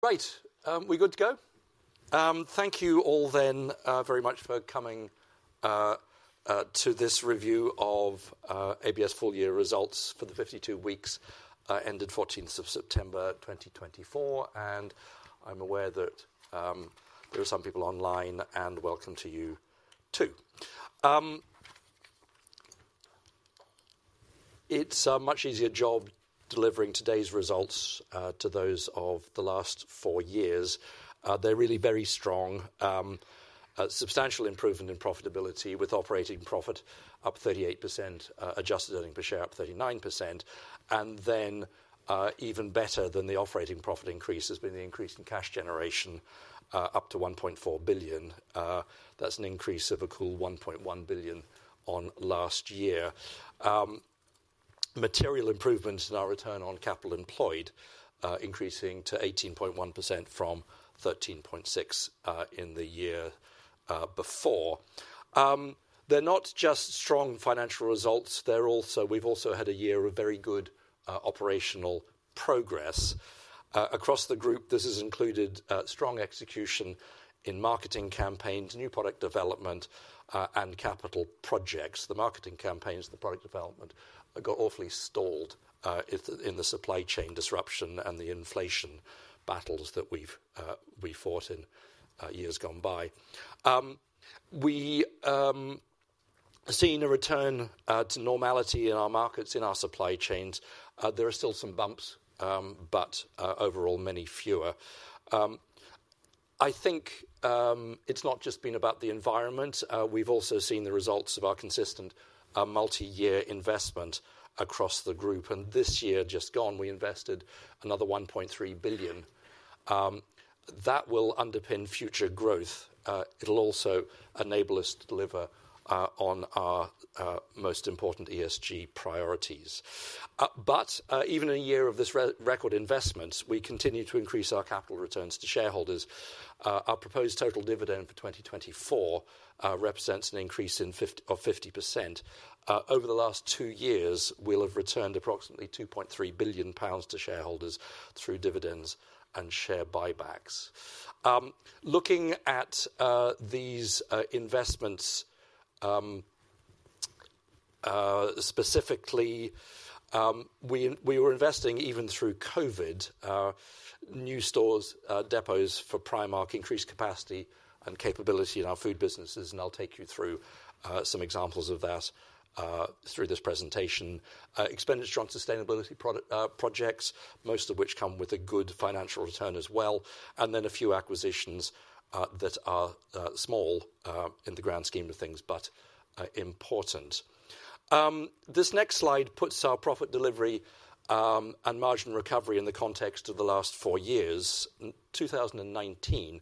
Right, we're good to go. Thank you all then, very much for coming, to this review of, ABF Full Year Results for the 52 weeks, ended 14th of September 2024, and I'm aware that, there are some people online, and welcome to you too. It's a much easier job delivering today's results, to those of the last four years. They're really very strong, substantial improvement in profitability with operating profit up 38%, adjusted earnings per share up 39%. And then, even better than the operating profit increase has been the increase in cash generation, up to 1.4 billion. That's an increase of a cool 1.1 billion on last year. Material improvements in our return on capital employed, increasing to 18.1% from 13.6%, in the year, before. They're not just strong financial results. They're also, we've also had a year of very good, operational progress. Across the group, this has included strong execution in marketing campaigns, new product development, and capital projects. The marketing campaigns, the product development, got awfully stalled in the supply chain disruption and the inflation battles that we've fought in years gone by. We've seen a return to normality in our markets, in our supply chains. There are still some bumps, but overall many fewer. I think it's not just been about the environment. We've also seen the results of our consistent multi-year investment across the group. This year just gone, we invested another 1.3 billion. That will underpin future growth. It'll also enable us to deliver on our most important ESG priorities. Even in a year of this record investments, we continue to increase our capital returns to shareholders. Our proposed total dividend for 2024 represents an increase of 5%. Over the last two years, we'll have returned approximately 2.3 billion pounds to shareholders through dividends and share buybacks. Looking at these investments specifically, we were investing even through COVID, new stores, depots for Primark, increased capacity and capability in our food businesses. I'll take you through some examples of that through this presentation. Expenditure on sustainability, product projects, most of which come with a good financial return as well. Then a few acquisitions that are small in the grand scheme of things, but important. This next slide puts our profit delivery and margin recovery in the context of the last four years. In 2019,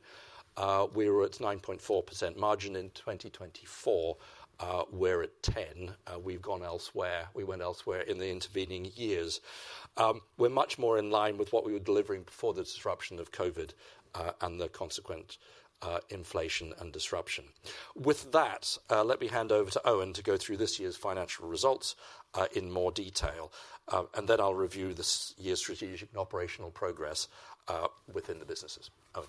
we were at 9.4% margin. In 2024, we're at 10%. We've gone elsewhere. We went elsewhere in the intervening years. We're much more in line with what we were delivering before the disruption of COVID and the consequent inflation and disruption. With that, let me hand over to Eoin to go through this year's financial results in more detail, and then I'll review this year's strategic and operational progress within the businesses. Oh.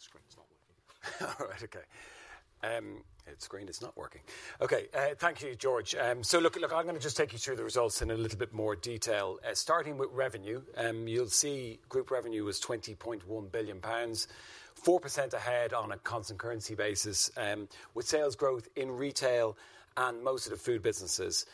Screen is not working. All right, okay. Its screen is not working. Okay, thank you, George. So look, look, I'm gonna just take you through the results in a little bit more detail. Starting with revenue, you'll see group revenue was 20.1 billion pounds, 4% ahead on a constant currency basis, with sales growth in retail and most of the food businesses.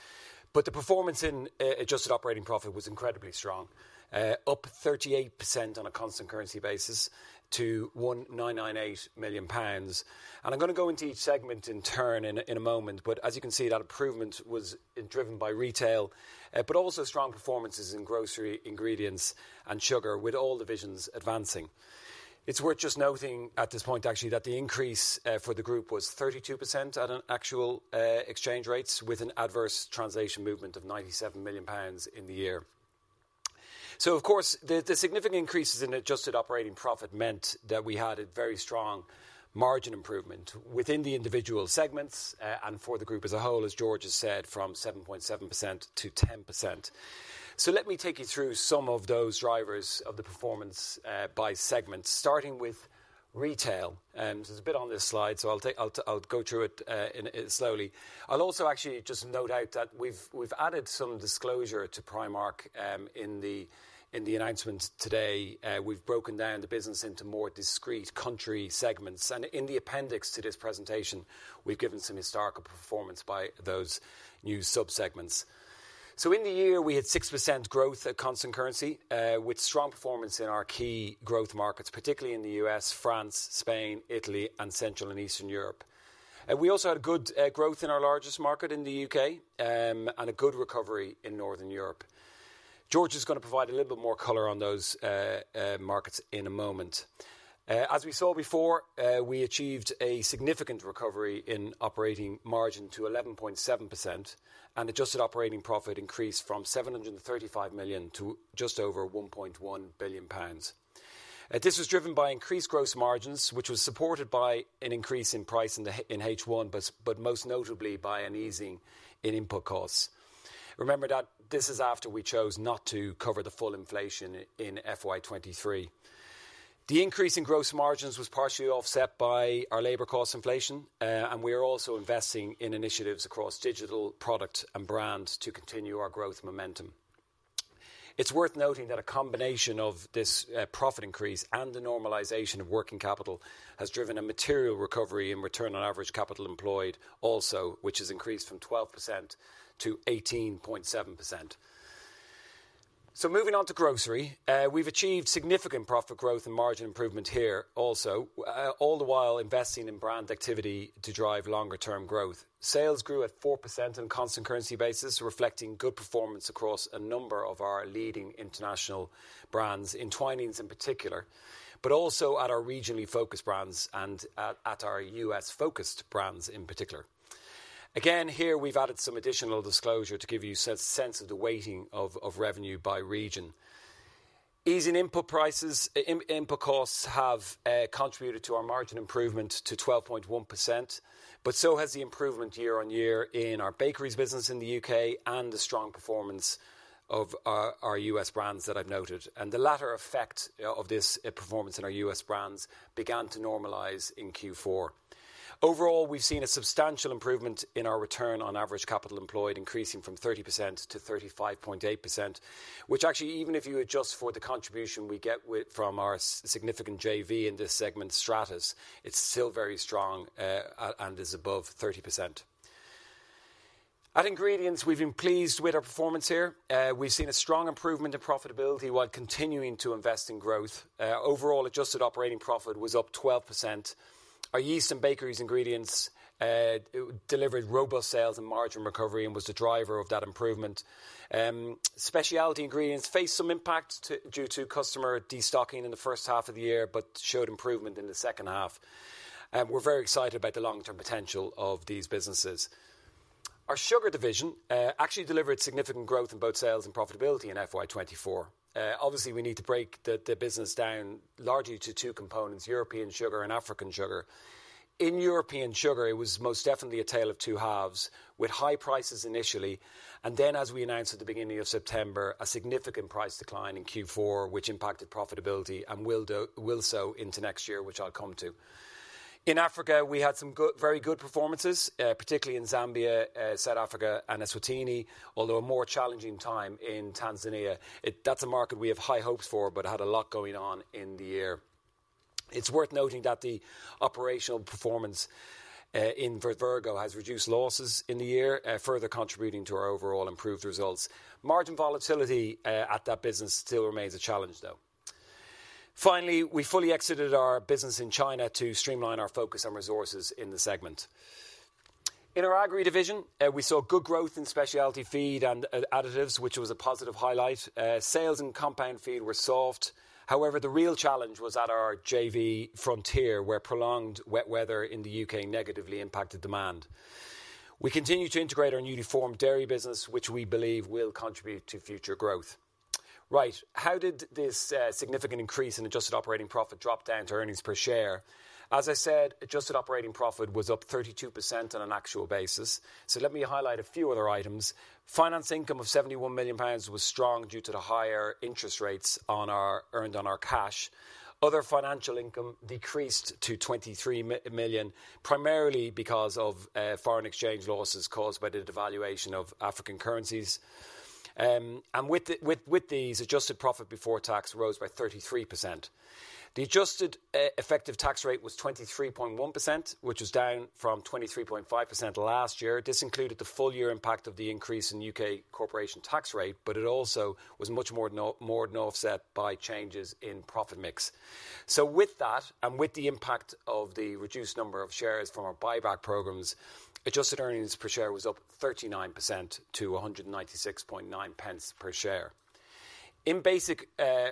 But the performance in adjusted operating profit was incredibly strong, up 38% on a constant currency basis to 1998 million pounds. And I'm gonna go into each segment in turn in a moment. But as you can see, that improvement was driven by Retail, but also strong performances in Grocery, Ingredients and Sugar, with all divisions advancing. It's worth just noting at this point, actually, that the increase for the group was 32% at actual exchange rates, with an adverse translation movement of 97 million pounds in the year. So, of course, the significant increases in adjusted operating profit meant that we had a very strong margin improvement within the individual segments, and for the group as a whole, as George has said, from 7.7%-10%. So let me take you through some of those drivers of the performance, by segment, starting with Retail. There's a bit on this slide, so I'll go through it in slowly. I'll also actually just note out that we've added some disclosure to Primark, in the announcement today. We've broken down the business into more discrete country segments. And in the appendix to this presentation, we've given some historical performance by those new subsegments. So in the year, we had 6% growth at constant currency, with strong performance in our key growth markets, particularly in the U.S., France, Spain, Italy, and Central and Eastern Europe. We also had good growth in our largest market in the U.K., and a good recovery in Northern Europe. George is gonna provide a little bit more color on those markets in a moment. As we saw before, we achieved a significant recovery in operating margin to 11.7%, and adjusted operating profit increased from 735 million to just over 1.1 billion pounds. This was driven by increased gross margins, which was supported by an increase in price in the H1, but most notably by an easing in input costs. Remember that this is after we chose not to cover the full inflation in FY 2023. The increase in gross margins was partially offset by our labor cost inflation. We are also investing in initiatives across digital product and brand to continue our growth momentum. It's worth noting that a combination of this, profit increase and the normalization of working capital has driven a material recovery in return on average capital employed also, which has increased from 12%-18.7%. Moving on to grocery, we've achieved significant profit growth and margin improvement here also, all the while investing in brand activity to drive longer-term growth. Sales grew at 4% on a constant currency basis, reflecting good performance across a number of our leading international brands, in Twinings in particular, but also at our regionally focused brands and at our U.S.-focused brands in particular. Again, here we've added some additional disclosure to give you a sense of the weighting of revenue by region. Easing input prices, input costs have contributed to our margin improvement to 12.1%, but so has the improvement year-on-year in our bakeries business in the U.K. and the strong performance of our U.S. brands that I've noted. The latter effect of this performance in our U.S. brands began to normalize in Q4. Overall, we've seen a substantial improvement in our return on average capital employed, increasing from 30%-35.8%, which actually, even if you adjust for the contribution we get from our significant JV in this segment, Stratas, it's still very strong, and is above 30%. At Ingredients, we've been pleased with our performance here. We've seen a strong improvement in profitability while continuing to invest in growth. Overall, adjusted operating profit was up 12%. Our yeast and bakery ingredients delivered robust sales and margin recovery and was the driver of that improvement. Specialty ingredients faced some impact due to customer destocking in the first half of the year, but showed improvement in the second half, and we're very excited about the long-term potential of these businesses. Our sugar division actually delivered significant growth in both sales and profitability in FY24. Obviously, we need to break the business down largely to two components: European Sugar and African Sugar. In European Sugar, it was most definitely a tale of two halves, with high prices initially, and then, as we announced at the beginning of September, a significant price decline in Q4, which impacted profitability and will do so into next year, which I'll come to. In Africa, we had some good, very good performances, particularly in Zambia, South Africa, and Eswatini, although a more challenging time in Tanzania. That's a market we have high hopes for, but had a lot going on in the year. It's worth noting that the operational performance in Vivergo has reduced losses in the year, further contributing to our overall improved results. Margin volatility at that business still remains a challenge, though. Finally, we fully exited our business in China to streamline our focus on resources in the segment. In our Agri division, we saw good growth in specialty feed and additives, which was a positive highlight. Sales in compound feed were soft. However, the real challenge was at our JV, Frontier, where prolonged wet weather in the U.K. negatively impacted demand. We continue to integrate our newly formed dairy business, which we believe will contribute to future growth. Right, how did this significant increase in adjusted operating profit drop down to earnings per share? As I said, adjusted operating profit was up 32% on an actual basis. So let me highlight a few other items. Finance income of 71 million pounds was strong due to the higher interest rates earned on our cash. Other financial income decreased to 23 million, primarily because of foreign exchange losses caused by the devaluation of African currencies, and with these, adjusted profit before tax rose by 33%. The adjusted effective tax rate was 23.1%, which was down from 23.5% last year. This included the full year impact of the increase in U.K. corporation tax rate, but it also was much more than offset by changes in profit mix. So with that, and with the impact of the reduced number of shares from our buyback programs, adjusted earnings per share was up 39% to 196.9 pence per share. On basic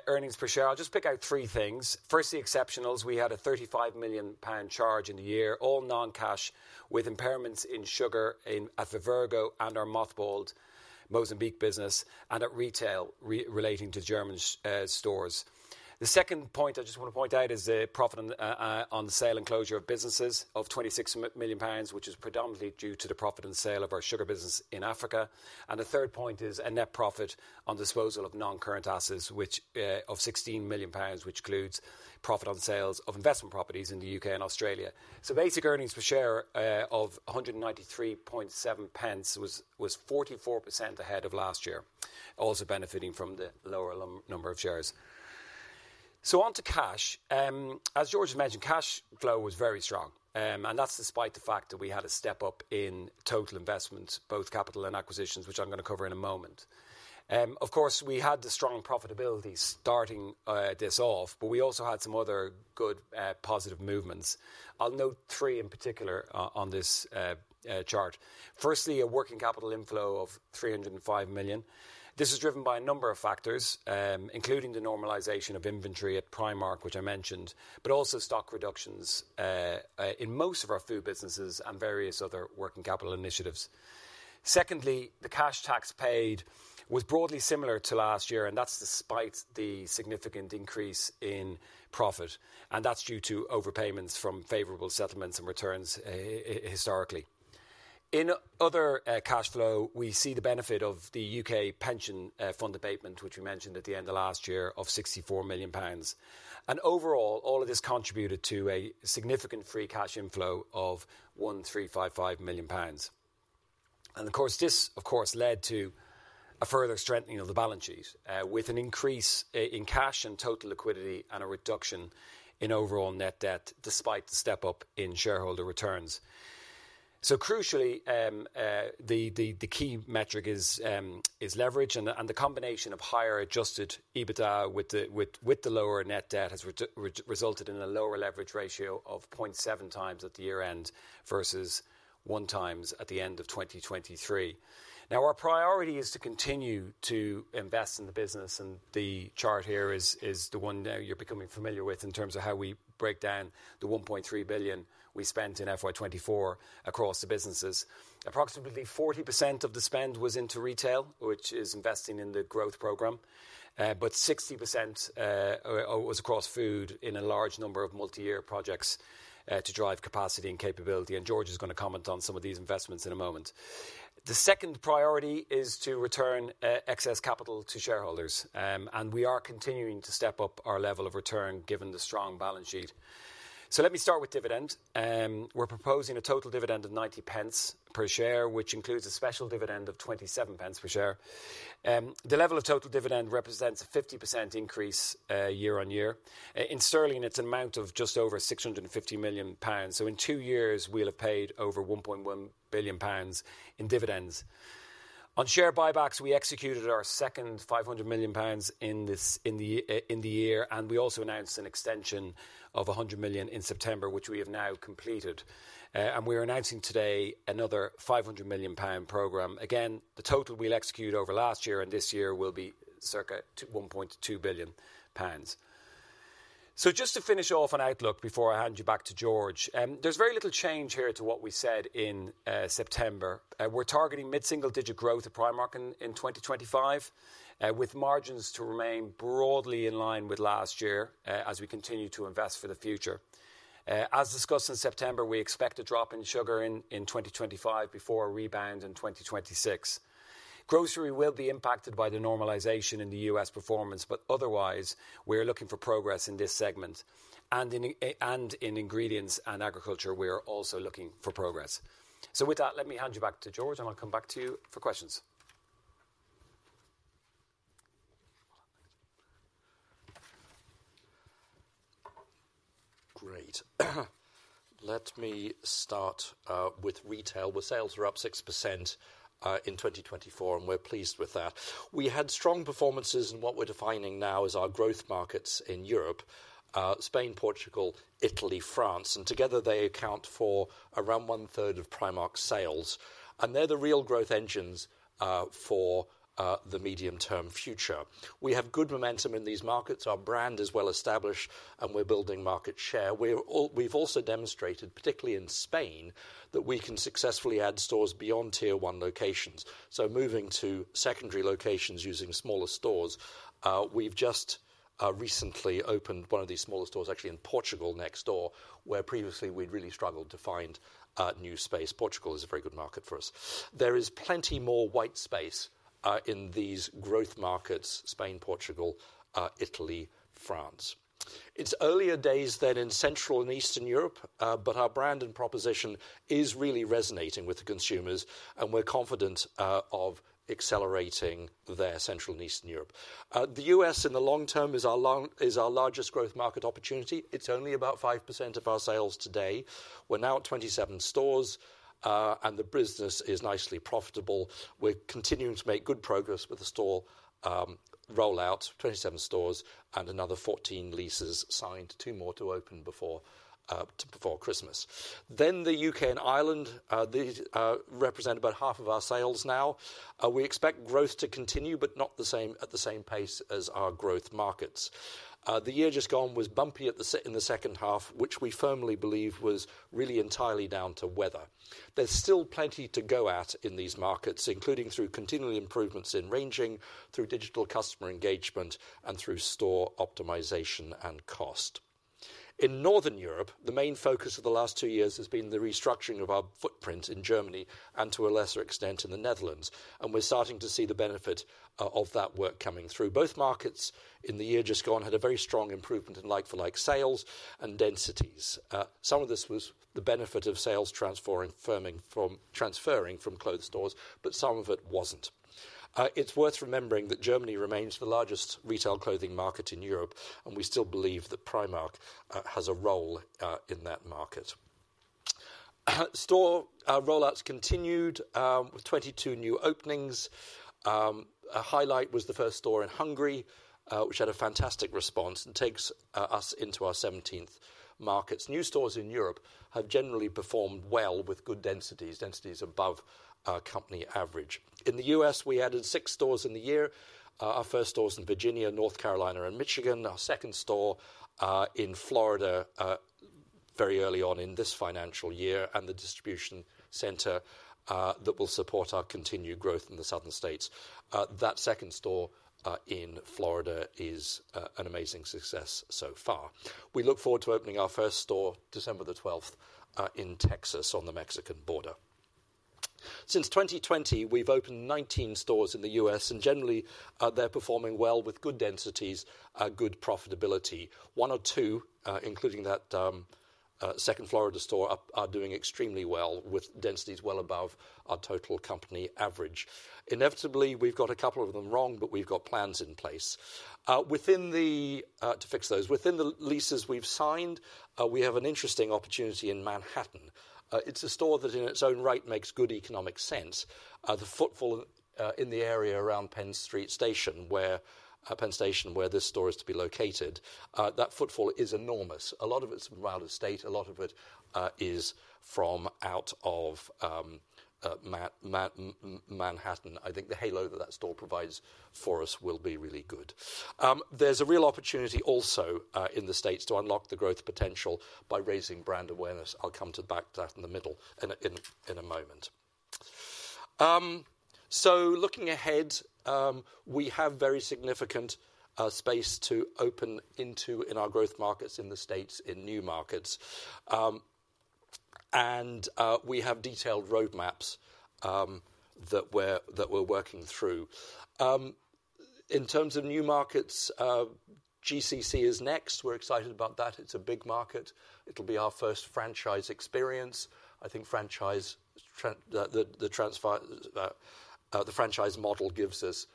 earnings per share, I'll just pick out three things. First, the exceptionals. We had a 35 million pound charge in the year, all non-cash, with impairments in sugar and at Vivergo and our mothballed Mozambique business, and at retail relating to German stores. The second point I just wanna point out is the profit on the sale and closure of businesses of 26 million pounds, which is predominantly due to the profit and sale of our sugar business in Africa. And the third point is a net profit on disposal of non-current assets, which of 16 million pounds, which includes profit on sales of investment properties in the U.K. and Australia. So basic earnings per share of 193.7 pence was 44% ahead of last year, also benefiting from the lower number of shares. So onto cash. As George has mentioned, cash flow was very strong. and that's despite the fact that we had a step up in total investments, both capital and acquisitions, which I'm gonna cover in a moment. Of course, we had the strong profitability starting this off, but we also had some other good, positive movements. I'll note three in particular, on this chart. Firstly, a working capital inflow of 305 million. This was driven by a number of factors, including the normalization of inventory at Primark, which I mentioned, but also stock reductions in most of our food businesses and various other working capital initiatives. Secondly, the cash tax paid was broadly similar to last year, and that's despite the significant increase in profit. And that's due to overpayments from favorable settlements and returns, historically. In other cash flow, we see the benefit of the U.K. pension fund abatement, which we mentioned at the end of last year, of 64 million pounds. Overall, all of this contributed to a significant free cash inflow of £1355 million. Of course, this led to a further strengthening of the balance sheet, with an increase in cash and total liquidity and a reduction in overall net debt, despite the step up in shareholder returns. So crucially, the key metric is leverage, and the combination of higher adjusted EBITDA with the lower net debt has resulted in a lower leverage ratio of 0.7 times at the year end versus 1 times at the end of 2023. Now, our priority is to continue to invest in the business, and the chart here is the one now you're becoming familiar with in terms of how we break down the £1.3 billion we spent in FY24 across the businesses. Approximately 40% of the spend was into retail, which is investing in the growth program, but 60% was across food in a large number of multi-year projects, to drive capacity and capability. And George is gonna comment on some of these investments in a moment. The second priority is to return excess capital to shareholders, and we are continuing to step up our level of return given the strong balance sheet. So let me start with dividend. We're proposing a total dividend of £0.90 per share, which includes a special dividend of £0.27 per share. The level of total dividend represents a 50% increase, year-on-year, in Sterling; it's an amount of just over £650 million. So in two years, we'll have paid over £1.1 billion in dividends. On share buybacks, we executed our second 500 million pounds in this, in the year, and we also announced an extension of 100 million in September, which we have now completed, and we are announcing today another 500 million pound program. Again, the total we'll execute over last year and this year will be circa 1.2 billion pounds, so just to finish off an outlook before I hand you back to George, there's very little change here to what we said in September. We're targeting mid-single digit growth at Primark in 2025, with margins to remain broadly in line with last year, as we continue to invest for the future, as discussed in September, we expect a drop in sugar in 2025 before a rebound in 2026. Grocery will be impacted by the normalization in the U.S. performance, but otherwise, we're looking for progress in this segment. In ingredients and agriculture, we're also looking for progress. With that, let me hand you back to George, and I'll come back to you for questions. Great. Let me start with Retail, where sales were up 6% in 2024, and we're pleased with that. We had strong performances, and what we're defining now is our growth markets in Europe, Spain, Portugal, Italy, France, and together they account for around one-third of Primark's sales. They're the real growth engines for the medium-term future. We have good momentum in these markets. Our brand is well established, and we're building market share. We've also demonstrated, particularly in Spain, that we can successfully add stores beyond tier one locations. So moving to secondary locations using smaller stores, we've just recently opened one of these smaller stores, actually in Portugal next door, where previously we'd really struggled to find new space. Portugal is a very good market for us. There is plenty more white space in these growth markets: Spain, Portugal, Italy, France. It's earlier days than in Central and Eastern Europe, but our brand and proposition is really resonating with the consumers, and we're confident of accelerating there, Central and Eastern Europe. The U.S. in the long term is our largest growth market opportunity. It's only about 5% of our sales today. We're now at 27 stores, and the business is nicely profitable. We're continuing to make good progress with the store rollout: 27 stores and another 14 leases signed, two more to open before Christmas. Then the U.K. and Ireland these represent about half of our sales now. We expect growth to continue, but not at the same pace as our growth markets. The year just gone was bumpy in the second half, which we firmly believe was really entirely down to weather. There's still plenty to go at in these markets, including through continuing improvements in ranging, through digital customer engagement, and through store optimization and cost. In Northern Europe, the main focus of the last two years has been the restructuring of our footprint in Germany and to a lesser extent in the Netherlands, and we're starting to see the benefit of that work coming through. Both markets in the year just gone had a very strong improvement in like-for-like sales and densities. Some of this was the benefit of sales transferring from clothing stores, but some of it wasn't. It's worth remembering that Germany remains the largest retail clothing market in Europe, and we still believe that Primark has a role in that market. Store rollouts continued with 22 new openings. A highlight was the first store in Hungary, which had a fantastic response and takes us into our 17th markets. New stores in Europe have generally performed well with good densities above company average. In the U.S., we added six stores in the year. Our first stores in Virginia, North Carolina, and Michigan. Our second store in Florida very early on in this financial year, and the distribution center that will support our continued growth in the southern states. That second store in Florida is an amazing success so far. We look forward to opening our first store December the 12th, in Texas on the Mexican border. Since 2020, we've opened 19 stores in the U.S., and generally, they're performing well with good densities, good profitability. One or two, including that second Florida store, are doing extremely well with densities well above our total company average. Inevitably, we've got a couple of them wrong, but we've got plans in place to fix those within the leases we've signed. We have an interesting opportunity in Manhattan. It's a store that in its own right makes good economic sense. The footfall in the area around Penn Station, where this store is to be located, that footfall is enormous. A lot of it's from out of state. A lot of it is from out of Manhattan. I think the halo that store provides for us will be really good. There's a real opportunity also in the States to unlock the growth potential by raising brand awareness. I'll come back to that in a moment. Looking ahead, we have very significant space to open into in our growth markets in the States in new markets. We have detailed roadmaps that we're working through. In terms of new markets, GCC is next. We're excited about that. It's a big market. It'll be our first franchise experience. I think the franchise model gives us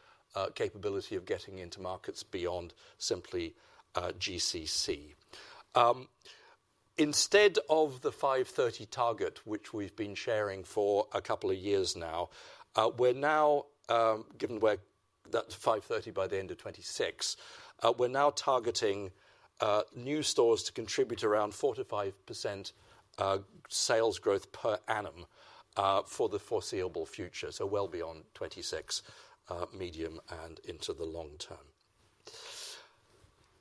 capability of getting into markets beyond simply GCC. Instead of the 530 target, which we've been sharing for a couple of years now, we're now, given we're that's 530 by the end of 2026, we're now targeting new stores to contribute around 45% sales growth per annum, for the foreseeable future, so well beyond 2026, medium and into the long term.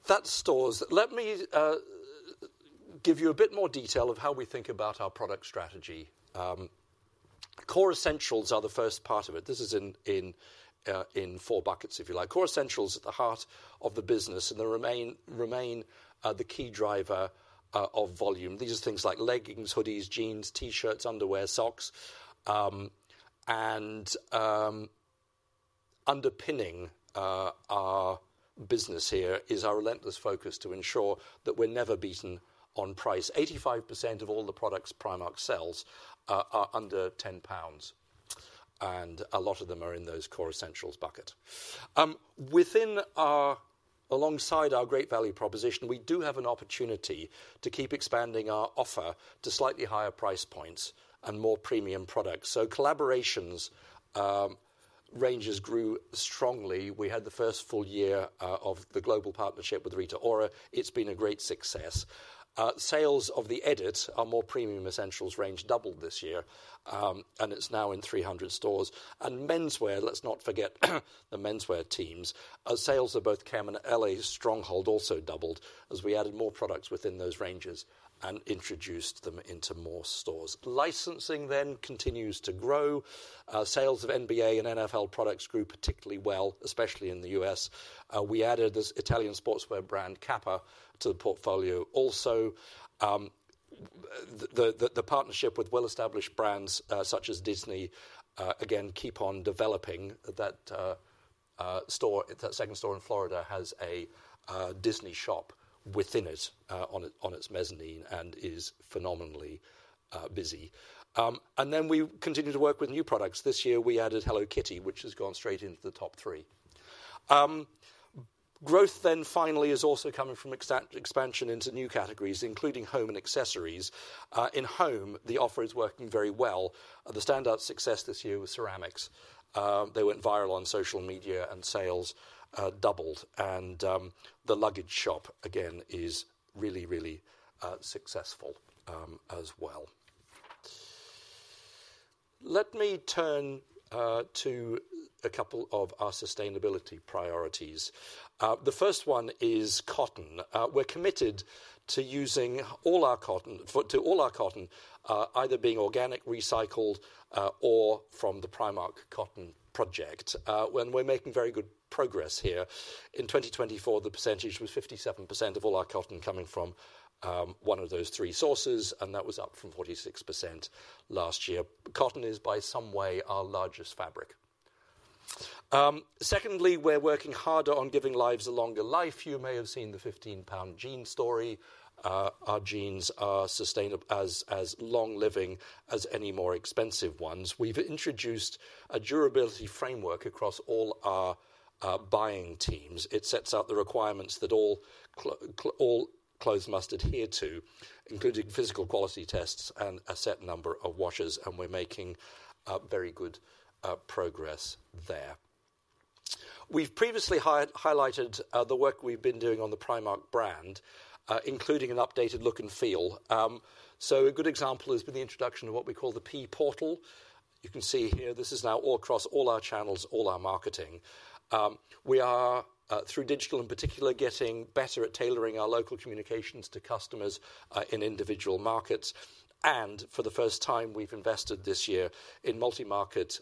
That stores, let me give you a bit more detail of how we think about our product strategy. Core essentials are the first part of it. This is in four buckets, if you like. Core essentials at the heart of the business, and they remain the key driver of volume. These are things like leggings, hoodies, jeans, t-shirts, underwear, socks, and underpinning our business here is our relentless focus to ensure that we're never beaten on price. 85% of all the products Primark sells are under £10, and a lot of them are in those core essentials bucket. Within our, alongside our great value proposition, we do have an opportunity to keep expanding our offer to slightly higher price points and more premium products. So collaborations, ranges grew strongly. We had the first full year of the global partnership with Rita Ora. It's been a great success. Sales of The Edit, our more premium essentials range, doubled this year, and it's now in 300 stores. And menswear, let's not forget the menswear teams. Sales of both Kem and LA Stronghold also doubled as we added more products within those ranges and introduced them into more stores. Licensing then continues to grow. Sales of NBA and NFL products grew particularly well, especially in the U.S. We added this Italian sportswear brand Kappa to the portfolio also. The partnership with well-established brands, such as Disney. Again, keep on developing that. That second store in Florida has a Disney shop within it, on its mezzanine, and is phenomenally busy. Then we continue to work with new products. This year we added Hello Kitty, which has gone straight into the top three. Growth then finally is also coming from expansion into new categories, including home and accessories. In home, the offer is working very well. The standout success this year was ceramics. They went viral on social media, and sales doubled. The luggage shop again is really successful, as well. Let me turn to a couple of our sustainability priorities. The first one is cotton. We're committed to using all our cotton, either being organic, recycled, or from the Primark Cotton Project. When we're making very good progress here. In 2024, the percentage was 57% of all our cotton coming from one of those three sources, and that was up from 46% last year. Cotton is by some way our largest fabric. Secondly, we're working harder on giving clothes a longer life. You may have seen the 15 pound jean story. Our jeans are sustainable as long-living as any more expensive ones. We've introduced a durability framework across all our buying teams. It sets out the requirements that all clothes must adhere to, including physical quality tests and a set number of washers, and we're making very good progress there. We've previously highlighted the work we've been doing on the Primark brand, including an updated look and feel, so a good example has been the introduction of what we call the P-portal. You can see here, this is now all across all our channels, all our marketing. We are, through digital in particular, getting better at tailoring our local communications to customers, in individual markets, and for the first time, we've invested this year in multi-market,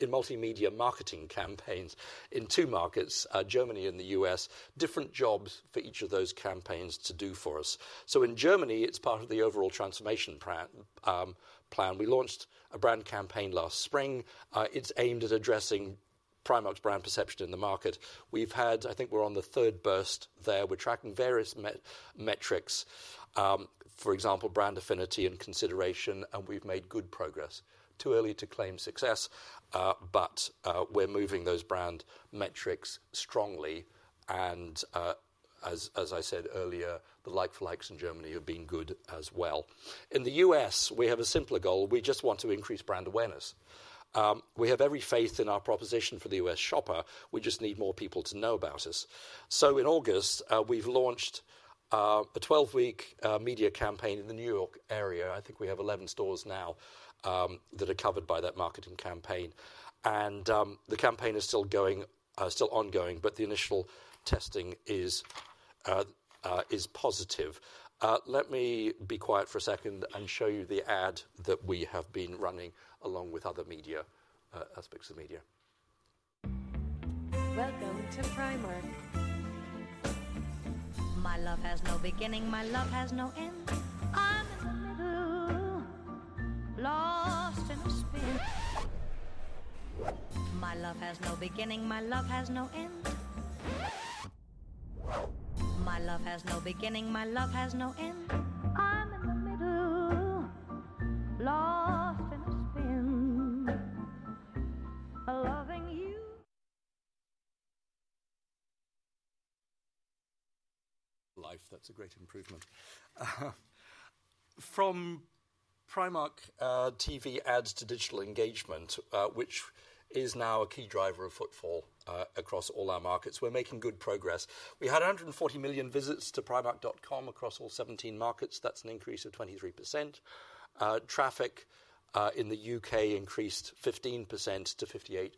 in multimedia marketing campaigns in two markets, Germany and the U.S., different jobs for each of those campaigns to do for us, so in Germany, it's part of the overall transformation plan. We launched a brand campaign last spring. It's aimed at addressing Primark's brand perception in the market. We've had, I think we're on the third burst there. We're tracking various metrics, for example, brand affinity and consideration, and we've made good progress. Too early to claim success, but we're moving those brand metrics strongly, and as I said earlier, the like-for-likes in Germany have been good as well. In the U.S., we have a simpler goal. We just want to increase brand awareness. We have every faith in our proposition for the U.S. shopper. We just need more people to know about us. So in August, we've launched a 12-week media campaign in the New York area. I think we have 11 stores now that are covered by that marketing campaign. And the campaign is still going, still ongoing, but the initial testing is positive. Let me be quiet for a second and show you the ad that we have been running along with other media aspects of media. Welcome to Primark. My love has no beginning. My love has no end. I'm in the middle, lost in a spin. My love has no beginning. My love has no end. My love has no beginning. My love has no end. I'm in the middle, lost in a spin. Loving you. Life. That's a great improvement from Primark, TV ads to digital engagement, which is now a key driver of footfall across all our markets. We're making good progress. We had 140 million visits to Primark.com across all 17 markets. That's an increase of 23%. Traffic in the U.K. increased 15% to 58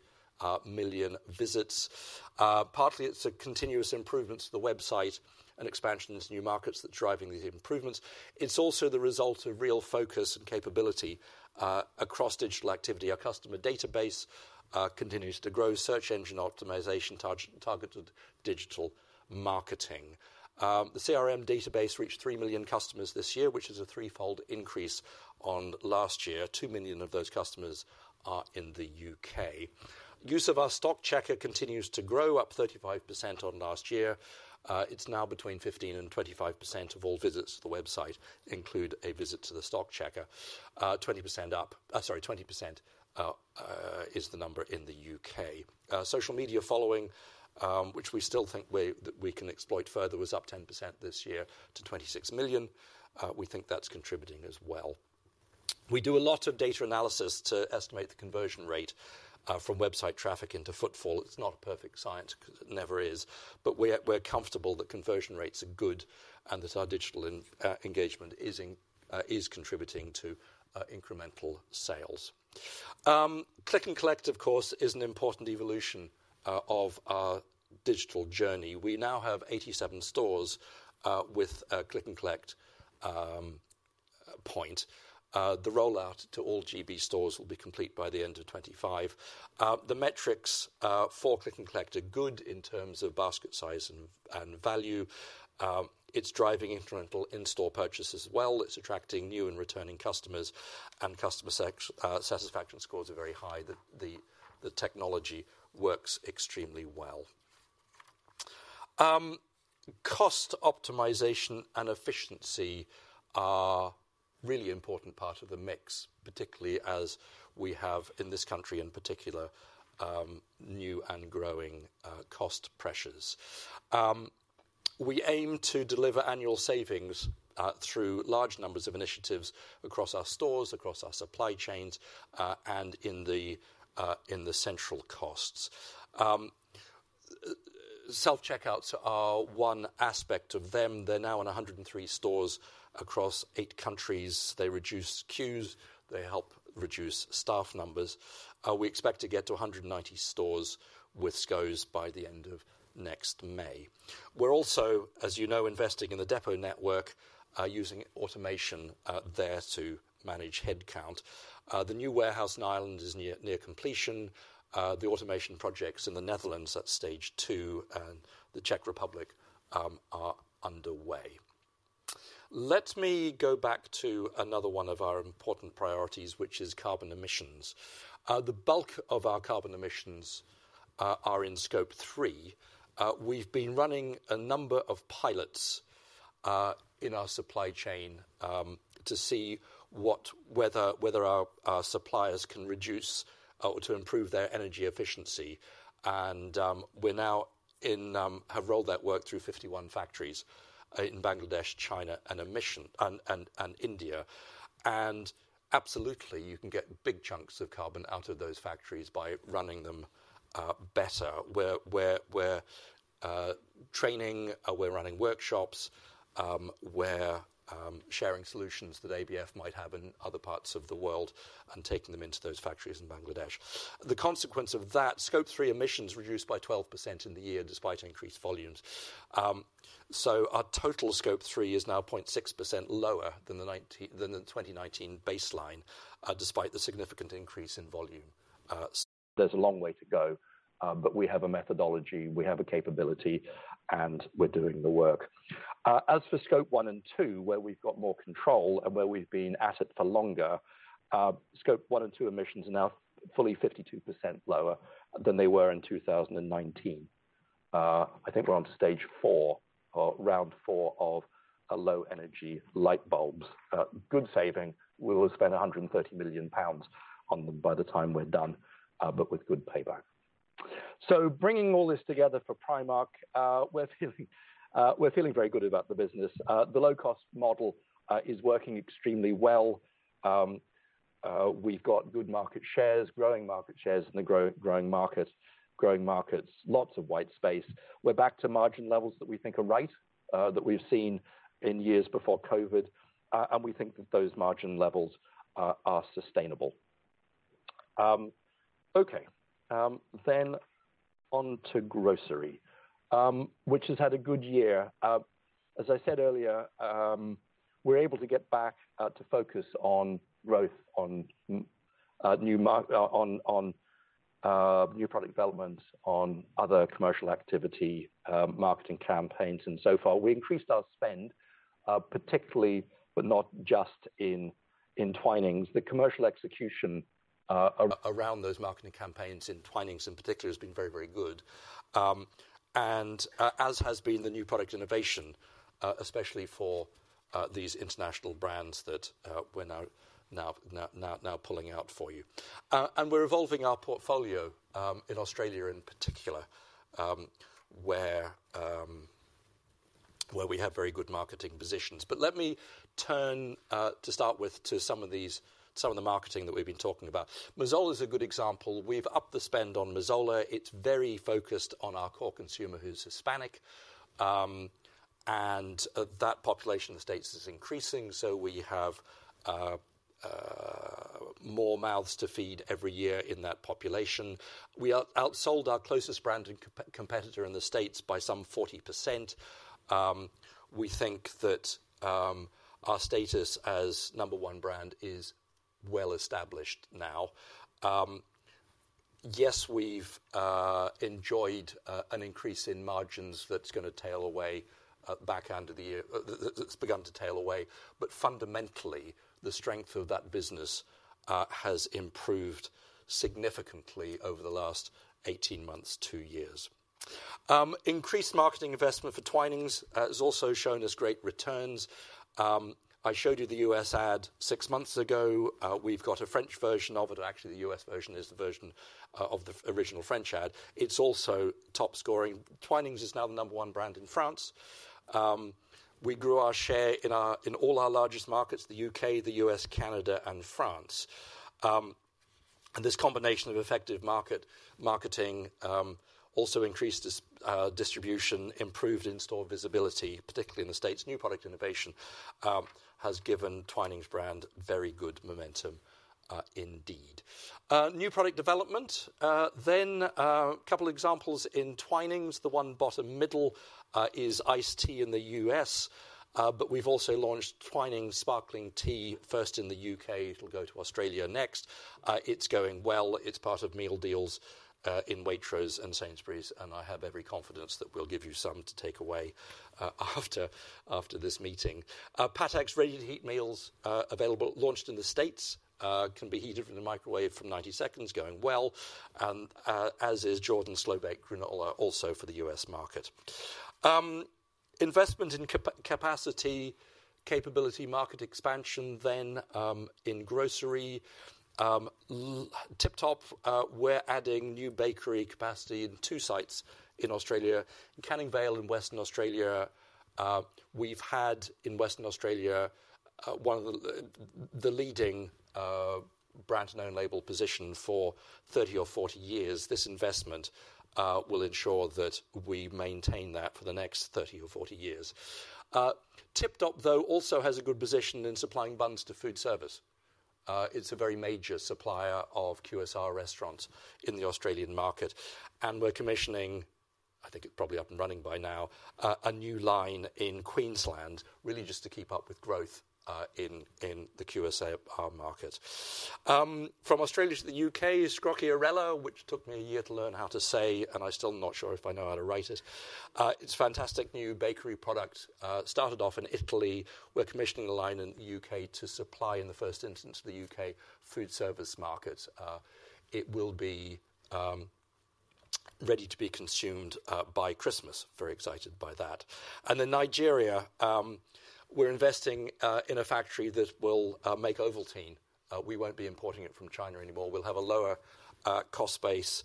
million visits. Partly it's a continuous improvement to the website and expansion in these new markets that's driving these improvements. It's also the result of real focus and capability across digital activity. Our customer database continues to grow. Search engine optimization targeted digital marketing. The CRM database reached three million customers this year, which is a threefold increase on last year. Two million of those customers are in the U.K. Use of our Stock Checker continues to grow, up 35% on last year. It's now between 15% and 25% of all visits to the website include a visit to the Stock Checker. 20% up. Sorry, 20% is the number in the U.K. Social media following, which we still think that we can exploit further, was up 10% this year to 26 million. We think that's contributing as well. We do a lot of data analysis to estimate the conversion rate from website traffic into footfall. It's not a perfect science 'cause it never is, but we're comfortable that conversion rates are good and that our digital engagement is contributing to incremental sales. Click & Collect, of course, is an important evolution of our digital journey. We now have 87 stores with Click & Collect points. The rollout to all GB stores will be complete by the end of 2025. The metrics for Click & Collect are good in terms of basket size and value. It's driving incremental in-store purchases well. It's attracting new and returning customers, and customer satisfaction scores are very high. The technology works extremely well. Cost optimization and efficiency are really important part of the mix, particularly as we have in this country in particular new and growing cost pressures. We aim to deliver annual savings through large numbers of initiatives across our stores, across our supply chains, and in the central costs. Self-checkouts are one aspect of them. They're now in 103 stores across eight countries. They reduce queues. They help reduce staff numbers. We expect to get to 190 stores with SCOs by the end of next May. We're also, as you know, investing in the depot network, using automation there to manage headcount. The new warehouse in Ireland is near completion. The automation projects in the Netherlands at stage two and the Czech Republic are underway. Let me go back to another one of our important priorities, which is carbon emissions. The bulk of our carbon emissions are in Scope 3. We've been running a number of pilots in our supply chain to see what, whether our suppliers can reduce or to improve their energy efficiency. And we have now rolled that work through 51 factories in Bangladesh, China, and India. And absolutely you can get big chunks of carbon out of those factories by running them better. We're training, we're running workshops, we're sharing solutions that ABF might have in other parts of the world and taking them into those factories in Bangladesh. The consequence of that, Scope 3 emissions reduced by 12% in the year despite increased volumes, so our total Scope 3 is now 0.6% lower than the 19, than the 2019 baseline, despite the significant increase in volume. There's a long way to go, but we have a methodology, we have a capability, and we're doing the work. As for Scope 1 and 2, where we've got more control and where we've been at it for longer, Scope 1 and 2 emissions are now fully 52% lower than they were in 2019. I think we're on stage four, round four of low energy light bulbs. Good saving. We will spend 130 million pounds on them by the time we're done, but with good payback, so bringing all this together for Primark, we're feeling, we're feeling very good about the business. The low-cost model is working extremely well. We've got good market shares, growing market shares in the growing markets, lots of white space. We're back to margin levels that we think are right, that we've seen in years before COVID. And we think that those margin levels are sustainable. Okay. On to grocery, which has had a good year. As I said earlier, we're able to get back to focus on growth, on new product developments, on other commercial activity, marketing campaigns. And so far we increased our spend, particularly, but not just in Twinings. The commercial execution around those marketing campaigns in Twinings in particular has been very, very good. And as has been the new product innovation, especially for these international brands that we're now pulling out for you. And we're evolving our portfolio, in Australia in particular, where we have very good marketing positions. But let me turn, to start with, to some of these, some of the marketing that we've been talking about. Mazzola's a good example. We've upped the spend on Mazzola. It's very focused on our core consumer who's Hispanic. And that population in the States is increasing, so we have more mouths to feed every year in that population. We outsold our closest brand and competitor in the States by some 40%. We think that our status as number one brand is well established now. Yes, we've enjoyed an increase in margins that's gonna tail away, back end of the year. That's begun to tail away. But fundamentally, the strength of that business has improved significantly over the last 18 months to years. Increased marketing investment for Twinings has also shown us great returns. I showed you the U.S. ad six months ago. We've got a French version of it. Actually, the U.S. version is the version of the original French ad. It's also top scoring. Twinings is now the number one brand in France. We grew our share in all our largest markets, the U.K., the U.S., Canada, and France. This combination of effective marketing, also increased distribution, improved in-store visibility, particularly in the States. New product innovation has given Twinings brand very good momentum, indeed. New product development. Then, a couple of examples in Twinings. The one bottom middle is iced tea in the U.S. But we've also launched Twinings sparkling tea first in the U.K. It'll go to Australia next. It's going well. It's part of meal deals in Waitrose and Sainsbury's, and I have every confidence that we'll give you some to take away after this meeting. Patak's ready-to-heat meals, available, launched in the States, can be heated from the microwave from 90 seconds, going well, and as is Jordans slow-baked granola also for the U.S. market. Investment in capacity, capability market expansion then in grocery. Tip Top, we're adding new bakery capacity in two sites in Australia, Canning Vale and Western Australia. We've had in Western Australia one of the leading brand and own label position for 30 or 40 years. This investment will ensure that we maintain that for the next 30 or 40 years. Tip Top though also has a good position in supplying buns to foodservice. It's a very major supplier of QSR restaurants in the Australian market. We're commissioning, I think it's probably up and running by now, a new line in Queensland, really just to keep up with growth in the QSR market. From Australia to the U.K. is Scrocchiarella, which took me a year to learn how to say, and I'm still not sure if I know how to write it. It's a fantastic new bakery product, started off in Italy. We're commissioning the line in the U.K. to supply in the first instance to the U.K. food service market. It will be ready to be consumed by Christmas. Very excited by that. Nigeria, we're investing in a factory that will make Ovaltine. We won't be importing it from China anymore. We'll have a lower cost base,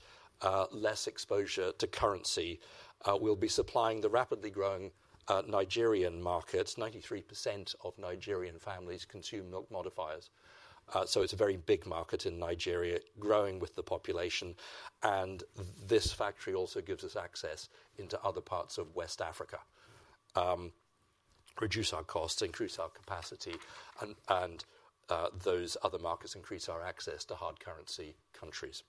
less exposure to currency. We'll be supplying the rapidly growing Nigerian markets. 93% of Nigerian families consume milk modifiers. So it's a very big market in Nigeria, growing with the population. And this factory also gives us access into other parts of West Africa, reduce our costs, increase our capacity, and those other markets increase our access to hard currency countries.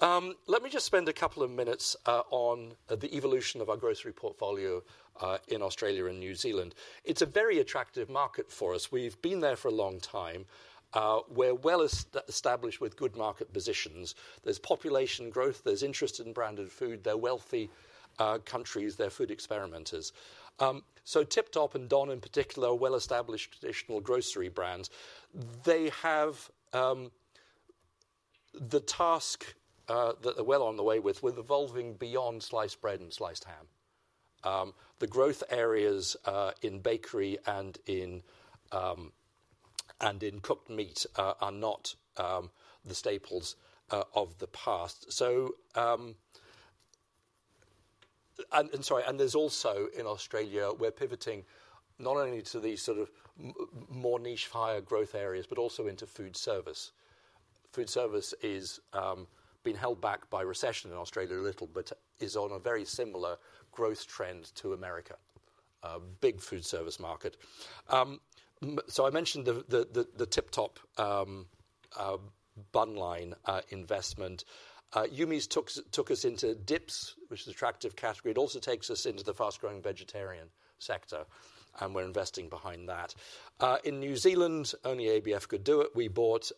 Let me just spend a couple of minutes on the evolution of our grocery portfolio in Australia and New Zealand. It's a very attractive market for us. We've been there for a long time. We're well established with good market positions. There's population growth. There's interest in branded food. They're wealthy countries. They're food experimenters. So Tip Top and Don in particular are well-established traditional grocery brands. They have the task that they're well on the way with evolving beyond sliced bread and sliced ham. The growth areas in bakery and in cooked meat are not the staples of the past. There's also in Australia, we're pivoting not only to these sort of more niche higher growth areas, but also into food service. Food service has been held back by recession in Australia a little, but is on a very similar growth trend to America, big food service market. I mentioned the Tip Top bun line investment. Yumi's took us into dips, which is an attractive category. It also takes us into the fast-growing vegetarian sector, and we're investing behind that. In New Zealand, only ABF could do it. We bought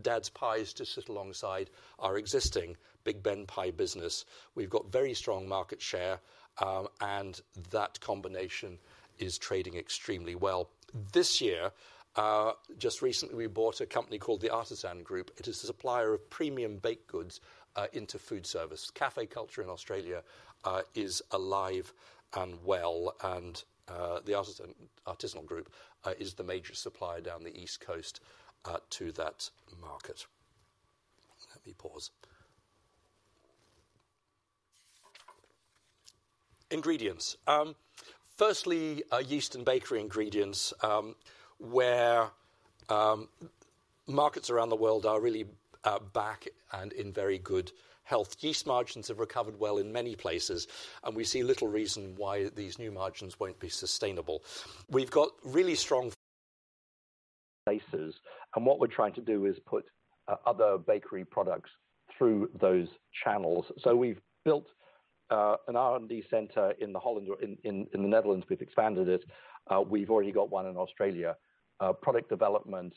Dad's Pies to sit alongside our existing Big Ben pie business. We've got very strong market share, and that combination is trading extremely well. This year, just recently, we bought a company called The Artisanal Group. It is a supplier of premium baked goods into food service. Cafe culture in Australia is alive and well, and The Artisanal Group is the major supplier down the East Coast to that market. Let me pause. Ingredients. Firstly, yeast and bakery ingredients, where markets around the world are really back and in very good health. Yeast margins have recovered well in many places, and we see little reason why these new margins won't be sustainable. We've got really strong bases, and what we're trying to do is put other bakery products through those channels. So we've built an R&D center in Holland or in the Netherlands. We've expanded it. We've already got one in Australia. Product development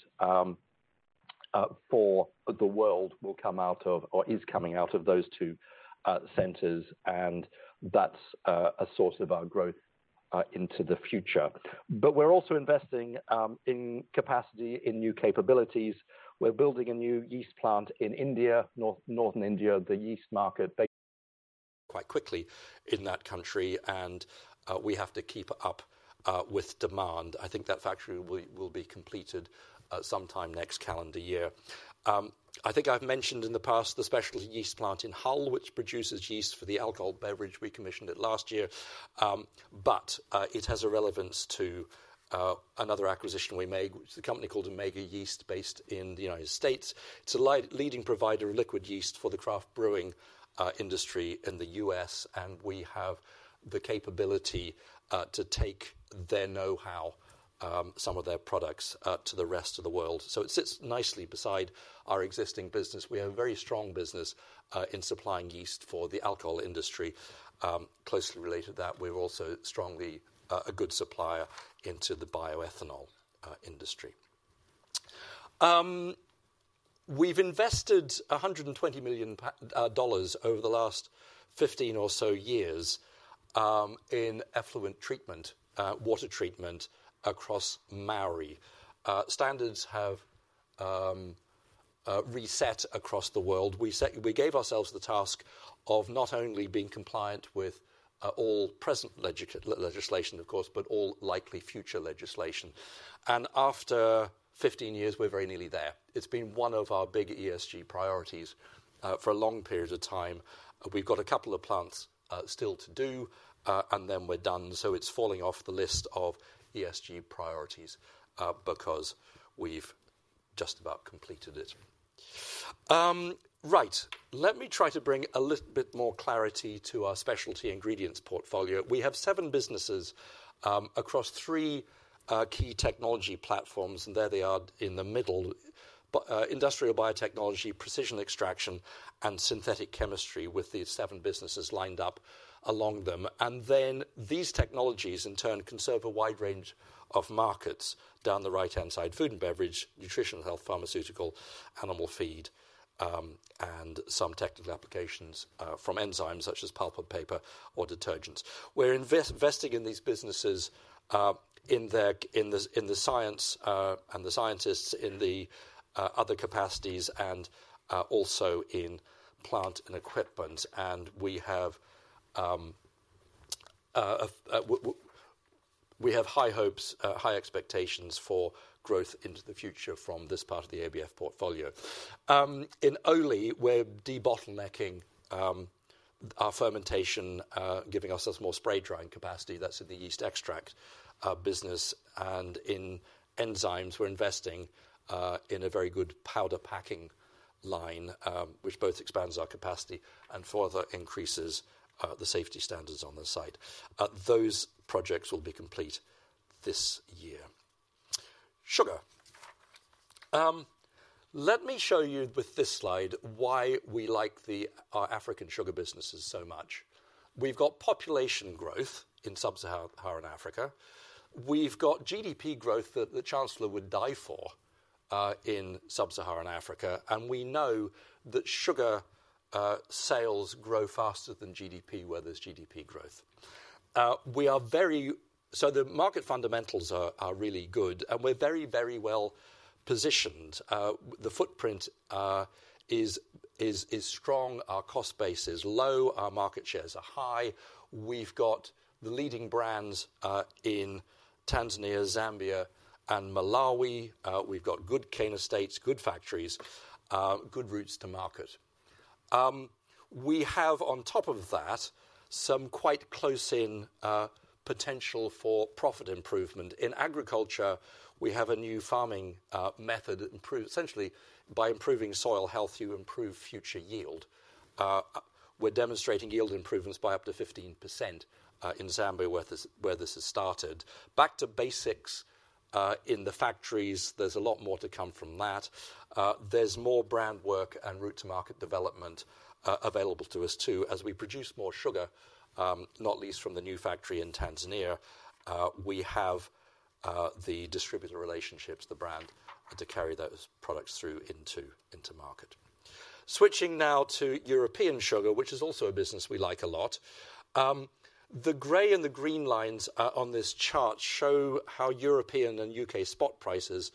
for the world will come out of or is coming out of those two centers, and that's a source of our growth into the future. But we're also investing in capacity in new capabilities. We're building a new yeast plant in India, northern India, the yeast market quite quickly in that country, and we have to keep up with demand. I think that factory will be completed sometime next calendar year. I think I've mentioned in the past the specialty yeast plant in Hull, which produces yeast for the alcoholic beverage. We commissioned it last year, but it has a relevance to another acquisition we made, which is a company called Omega Yeast based in the United States. It's a leading provider of liquid yeast for the craft brewing industry in the U.S., and we have the capability to take their know-how, some of their products, to the rest of the world. So it sits nicely beside our existing business. We have a very strong business in supplying yeast for the alcohol industry. Closely related to that, we're also strongly a good supplier into the bioethanol industry. We've invested GBP 120 million over the last 15 or so years in effluent treatment, water treatment across our sites. Standards have reset across the world. We set, we gave ourselves the task of not only being compliant with all present legislation, of course, but all likely future legislation. And after 15 years, we're very nearly there. It's been one of our big ESG priorities for a long period of time. We've got a couple of plants still to do, and then we're done. So it's falling off the list of ESG priorities, because we've just about completed it. Right. Let me try to bring a little bit more clarity to our specialty ingredients portfolio. We have seven businesses across three key technology platforms, and there they are in the middle: industrial biotechnology, precision extraction, and synthetic chemistry with these seven businesses lined up along them. And then these technologies in turn can serve a wide range of markets down the right-hand side: food and beverage, nutritional health, pharmaceutical, animal feed, and some technical applications from enzymes such as pulp and paper or detergents. We're investing in these businesses, in their science and the scientists in other capacities, and also in plant and equipment. And we have high hopes, high expectations for growth into the future from this part of the ABF portfolio. In Ohly, we're de-bottlenecking our fermentation, giving ourselves more spray drying capacity. That's in the yeast extract business. And in enzymes, we're investing in a very good powder packing line, which both expands our capacity and further increases the safety standards on the site. Those projects will be complete this year. Sugar. Let me show you with this slide why we like the our African Sugar businesses so much. We've got population growth in Sub-Saharan Africa. We've got GDP growth that the Chancellor would die for in Sub-Saharan Africa. And we know that sugar sales grow faster than GDP where there's GDP growth. We are very so the market fundamentals are really good, and we're very well positioned. The footprint is strong. Our cost base is low. Our market shares are high. We've got the leading brands in Tanzania, Zambia, and Malawi. We've got good cane estates, good factories, good routes to market. We have, on top of that, some quite close-in potential for profit improvement. In agriculture, we have a new farming method that improves, essentially, by improving soil health, you improve future yield. We're demonstrating yield improvements by up to 15%, in Zambia, where this has started. Back to basics, in the factories, there's a lot more to come from that. There's more brand work and route-to-market development, available to us too as we produce more sugar, not least from the new factory in Tanzania. We have the distributor relationships, the brand, to carry those products through into market. Switching now to European Sugar, which is also a business we like a lot. The gray and the green lines, on this chart show how European and U.K. spot prices,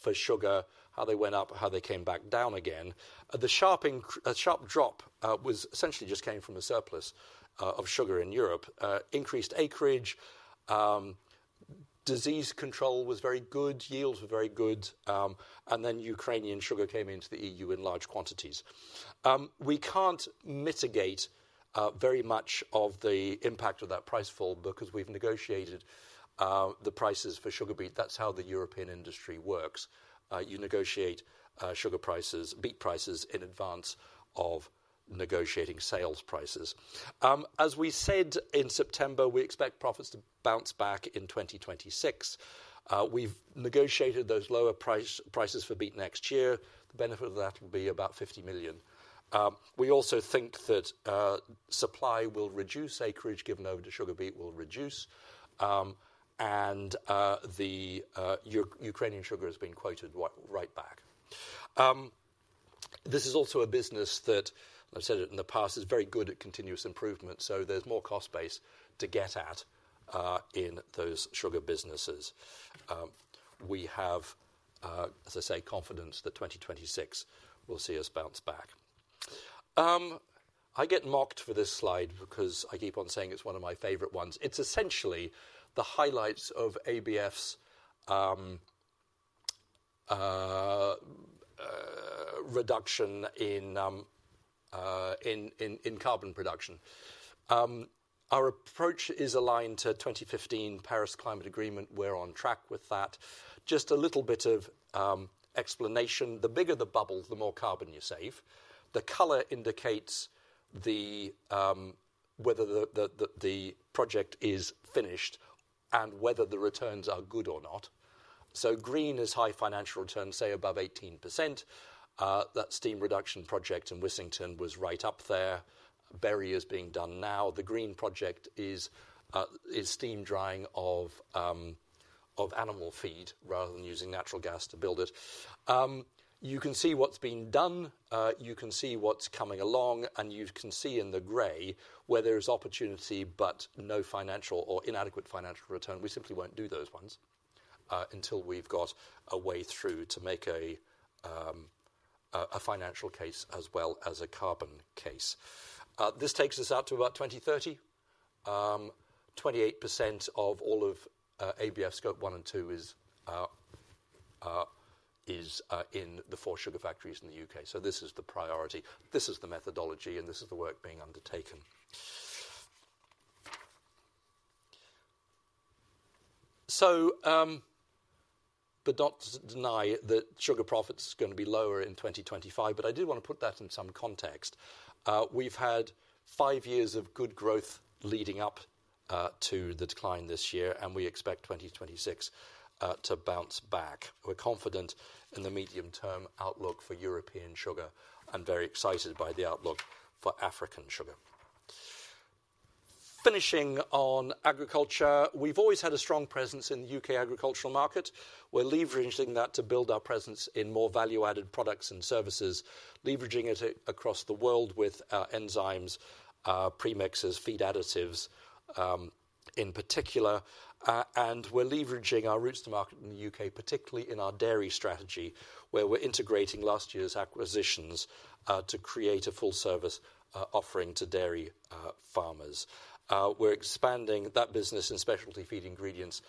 for sugar, how they went up, how they came back down again. The sharp drop was essentially just came from a surplus of sugar in Europe. Increased acreage, disease control was very good, yields were very good, and then Ukrainian sugar came into the EU in large quantities. We can't mitigate very much of the impact of that price fall because we've negotiated the prices for sugar beet. That's how the European industry works. You negotiate sugar prices, beet prices in advance of negotiating sales prices. As we said in September, we expect profits to bounce back in 2026. We've negotiated those lower prices for beet next year. The benefit of that will be about 50 million. We also think that supply will reduce. Acreage given over to sugar beet will reduce, and the Ukrainian Sugar has been quoted right back. This is also a business that, I've said it in the past, is very good at continuous improvement. So there's more cost base to get at, in those sugar businesses. We have, as I say, confidence that 2026 will see us bounce back. I get mocked for this slide because I keep on saying it's one of my favorite ones. It's essentially the highlights of ABF's reduction in carbon production. Our approach is aligned to 2015 Paris Climate Agreement. We're on track with that. Just a little bit of explanation. The bigger the bubble, the more carbon you save. The color indicates whether the project is finished and whether the returns are good or not. So green is high financial returns, say above 18%. That steam reduction project and Wissington was right up there. Bury is being done now. The green project is steam drying of animal feed rather than using natural gas to build it. You can see what's been done. You can see what's coming along, and you can see in the gray where there is opportunity but no financial or inadequate financial return. We simply won't do those ones, until we've got a way through to make a financial case as well as a carbon case. This takes us out to about 2030. 28% of all of ABF Scope 1 and 2 is in the four sugar factories in the U.K. This is the priority. This is the methodology, and this is the work being undertaken. The directors deny that sugar profits are going to be lower in 2025, but I did want to put that in some context. We've had five years of good growth leading up to the decline this year, and we expect 2026 to bounce back. We're confident in the medium-term outlook for European Sugar and very excited by the outlook for African Sugar. Finishing on agriculture, we've always had a strong presence in the U.K. agricultural market. We're leveraging that to build our presence in more value-added products and services, leveraging it across the world with enzymes, premixes, feed additives, in particular. And we're leveraging our routes to market in the U.K., particularly in our dairy strategy, where we're integrating last year's acquisitions to create a full-service offering to dairy farmers. We're expanding that business in specialty feed ingredients.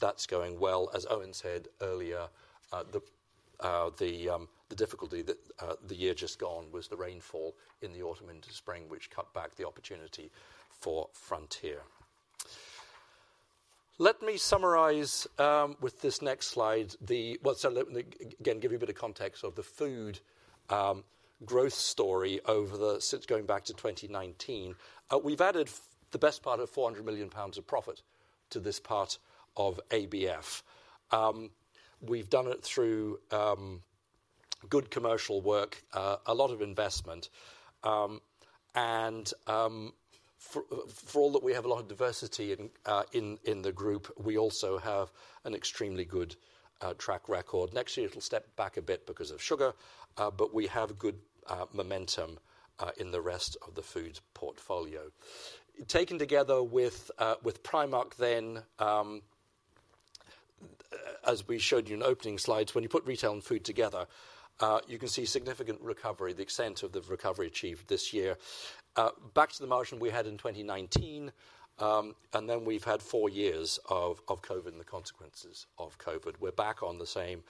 That's going well. As Eoin said earlier, the difficulty that the year just gone was the rainfall in the autumn into spring, which cut back the opportunity for Frontier. Let me summarize with this next slide. Well, so let me again give you a bit of context of the food growth story over the since going back to 2019. We've added the best part of 400 million pounds of profit to this part of ABF. We've done it through good commercial work, a lot of investment. For all that we have a lot of diversity in the group, we also have an extremely good track record. Next year, it'll step back a bit because of sugar, but we have good momentum in the rest of the foods portfolio. Taken together with Primark then, as we showed you in opening slides, when you put retail and food together, you can see significant recovery, the extent of the recovery achieved this year. Back to the margin we had in 2019, and then we've had four years of COVID and the consequences of COVID. We're back on the same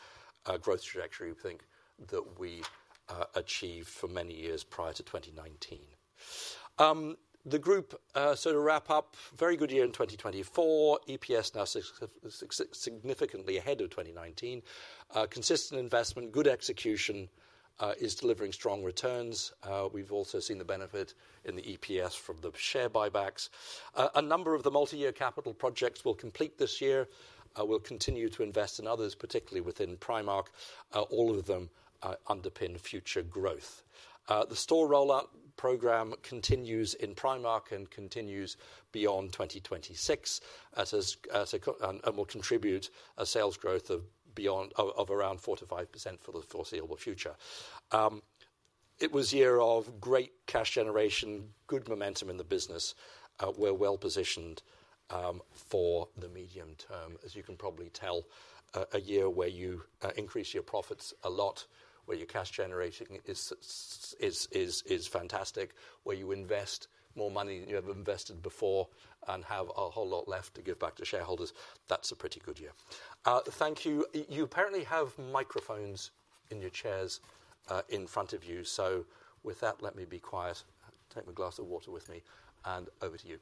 growth trajectory we think that we achieved for many years prior to 2019. The group, so to wrap up, very good year in 2024. EPS now significantly ahead of 2019. Consistent investment, good execution, is delivering strong returns. We've also seen the benefit in the EPS from the share buybacks. A number of the multi-year capital projects will complete this year. We'll continue to invest in others, particularly within Primark. All of them underpin future growth. The store rollout program continues in Primark and continues beyond 2026, and will contribute sales growth of beyond around 4%-5% for the foreseeable future. It was a year of great cash generation, good momentum in the business. We're well positioned for the medium term, as you can probably tell, a year where you increase your profits a lot, where your cash generating is fantastic, where you invest more money than you ever invested before and have a whole lot left to give back to shareholders. That's a pretty good year. Thank you. You apparently have microphones in your chairs, in front of you. So with that, let me be quiet. Take my glass of water with me, and over to you.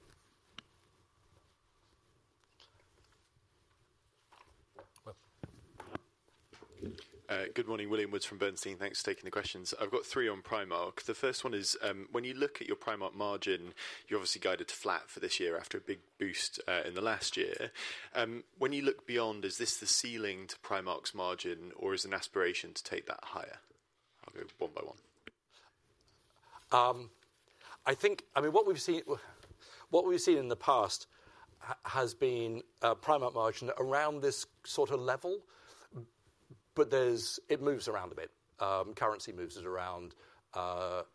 Good morning. William Woods from Bernstein. Thanks for taking the questions. I've got three on Primark. The first one is, when you look at your Primark margin, you're obviously guided to flat for this year after a big boost in the last year. When you look beyond, is this the ceiling to Primark's margin, or is an aspiration to take that higher? I'll go one by one. I think, I mean, what we've seen, what we've seen in the past has been Primark margin around this sort of level, but there's it moves around a bit. Currency moves it around, so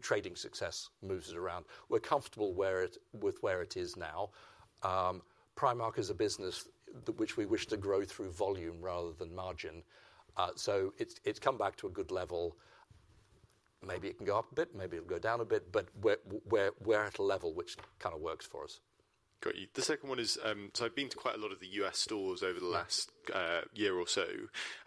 trading success moves it around. We're comfortable with where it is now. Primark is a business that which we wish to grow through volume rather than margin. It's come back to a good level. Maybe it can go up a bit. Maybe it'll go down a bit, but we're at a level which kind of works for us. Great. The second one is, so I've been to quite a lot of the U.S. stores over the last, year or so,